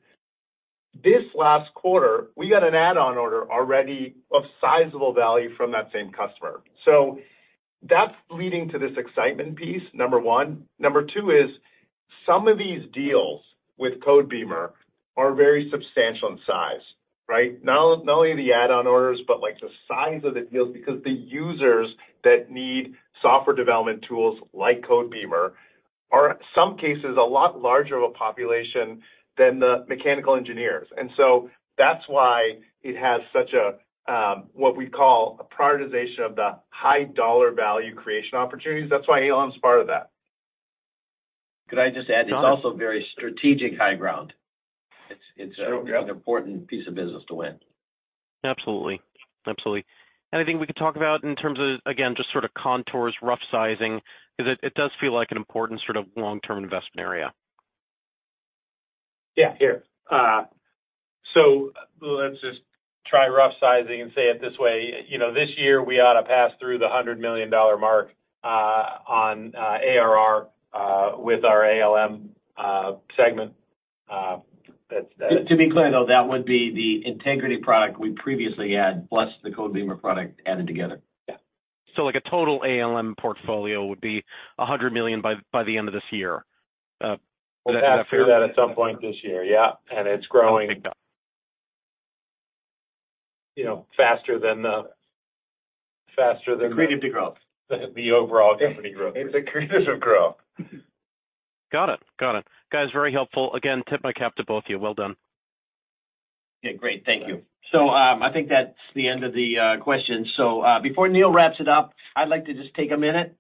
This last quarter, we got an add-on order already of sizable value from that same customer. So that's leading to this excitement piece, number one. Number two is some of these deals with Codebeamer are very substantial in size, right? Not only the add-on orders, but, like, the size of the deals, because the users that need software development tools, like Codebeamer, are, in some cases, a lot larger of a population than the mechanical engineers. And so that's why it has such a, what we'd call a prioritization of the high dollar value creation opportunities. That's why ALM is part of that. Could I just add, it's also very strategic high ground. It's, it's a- Sure. Yeah. an important piece of business to win. Absolutely. Absolutely. Anything we could talk about in terms of, again, just sort of contours, rough sizing, is it... It does feel like an important sort of long-term investment area. Yeah. Sure. So let's just try rough sizing and say it this way. You know, this year, we ought to pass through the $100 million mark on ARR with our ALM segment. That's the- To be clear, though, that would be the Integrity product we previously had, plus the Codebeamer product added together. Yeah. Like a total ALM portfolio would be $100 million by the end of this year? Is that fair? We'll pass through that at some point this year. Yeah, and it's growing- Growing big time... you know, faster than the- Inclusive to growth. Than the overall company growth. Inclusive growth. Got it. Got it. Guys, very helpful. Again, tip my cap to both of you. Well done. Yeah, great. Thank you. So, I think that's the end of the questions. So, before Neil wraps it up, I'd like to just take a minute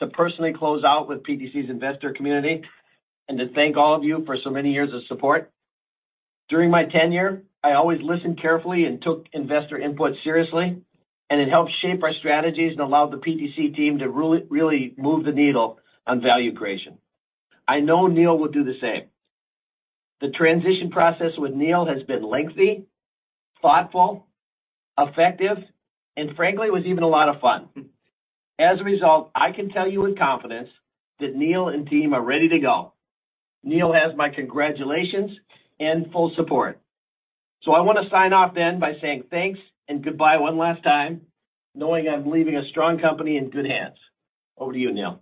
to personally close out with PTC's investor community and to thank all of you for so many years of support. During my tenure, I always listened carefully and took investor input seriously, and it helped shape our strategies and allowed the PTC team to really, really move the needle on value creation. I know Neil will do the same. The transition process with Neil has been lengthy, thoughtful, effective, and frankly, it was even a lot of fun. As a result, I can tell you with confidence that Neil and team are ready to go. Neil has my congratulations and full support. I want to sign off then by saying thanks and goodbye one last time, knowing I'm leaving a strong company in good hands. Over to you, Neil.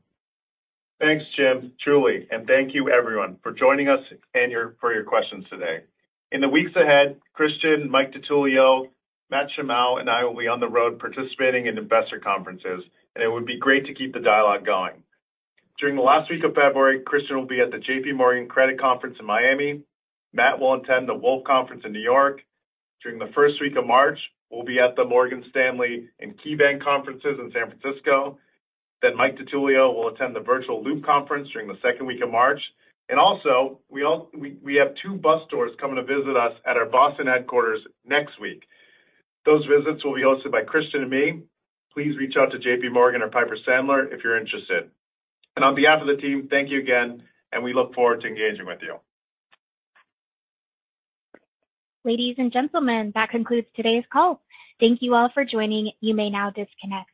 Thanks, James. Truly, and thank you everyone for joining us and your for your questions today. In the weeks ahead, Kristian, Mike DiTullio, Matt Shimao, and I will be on the road participating in investor conferences, and it would be great to keep the dialogue going. During the last week of February, Kristian will be at the JPMorgan Credit Conference in Miami. Matt will attend the Wolfe Conference in New York. During the first week of March, we'll be at the Morgan Stanley and KeyBanc conferences in San Francisco. Then Mike DiTullio will attend the Virtual Loop Conference during the second week of March. And also, we have two bus tours coming to visit us at our Boston headquarters next week. Those visits will be hosted by Kristian and me. Please reach out to JPMorgan or Piper Sandler if you're interested. On behalf of the team, thank you again, and we look forward to engaging with you. Ladies and gentlemen, that concludes today's call. Thank you all for joining. You may now disconnect.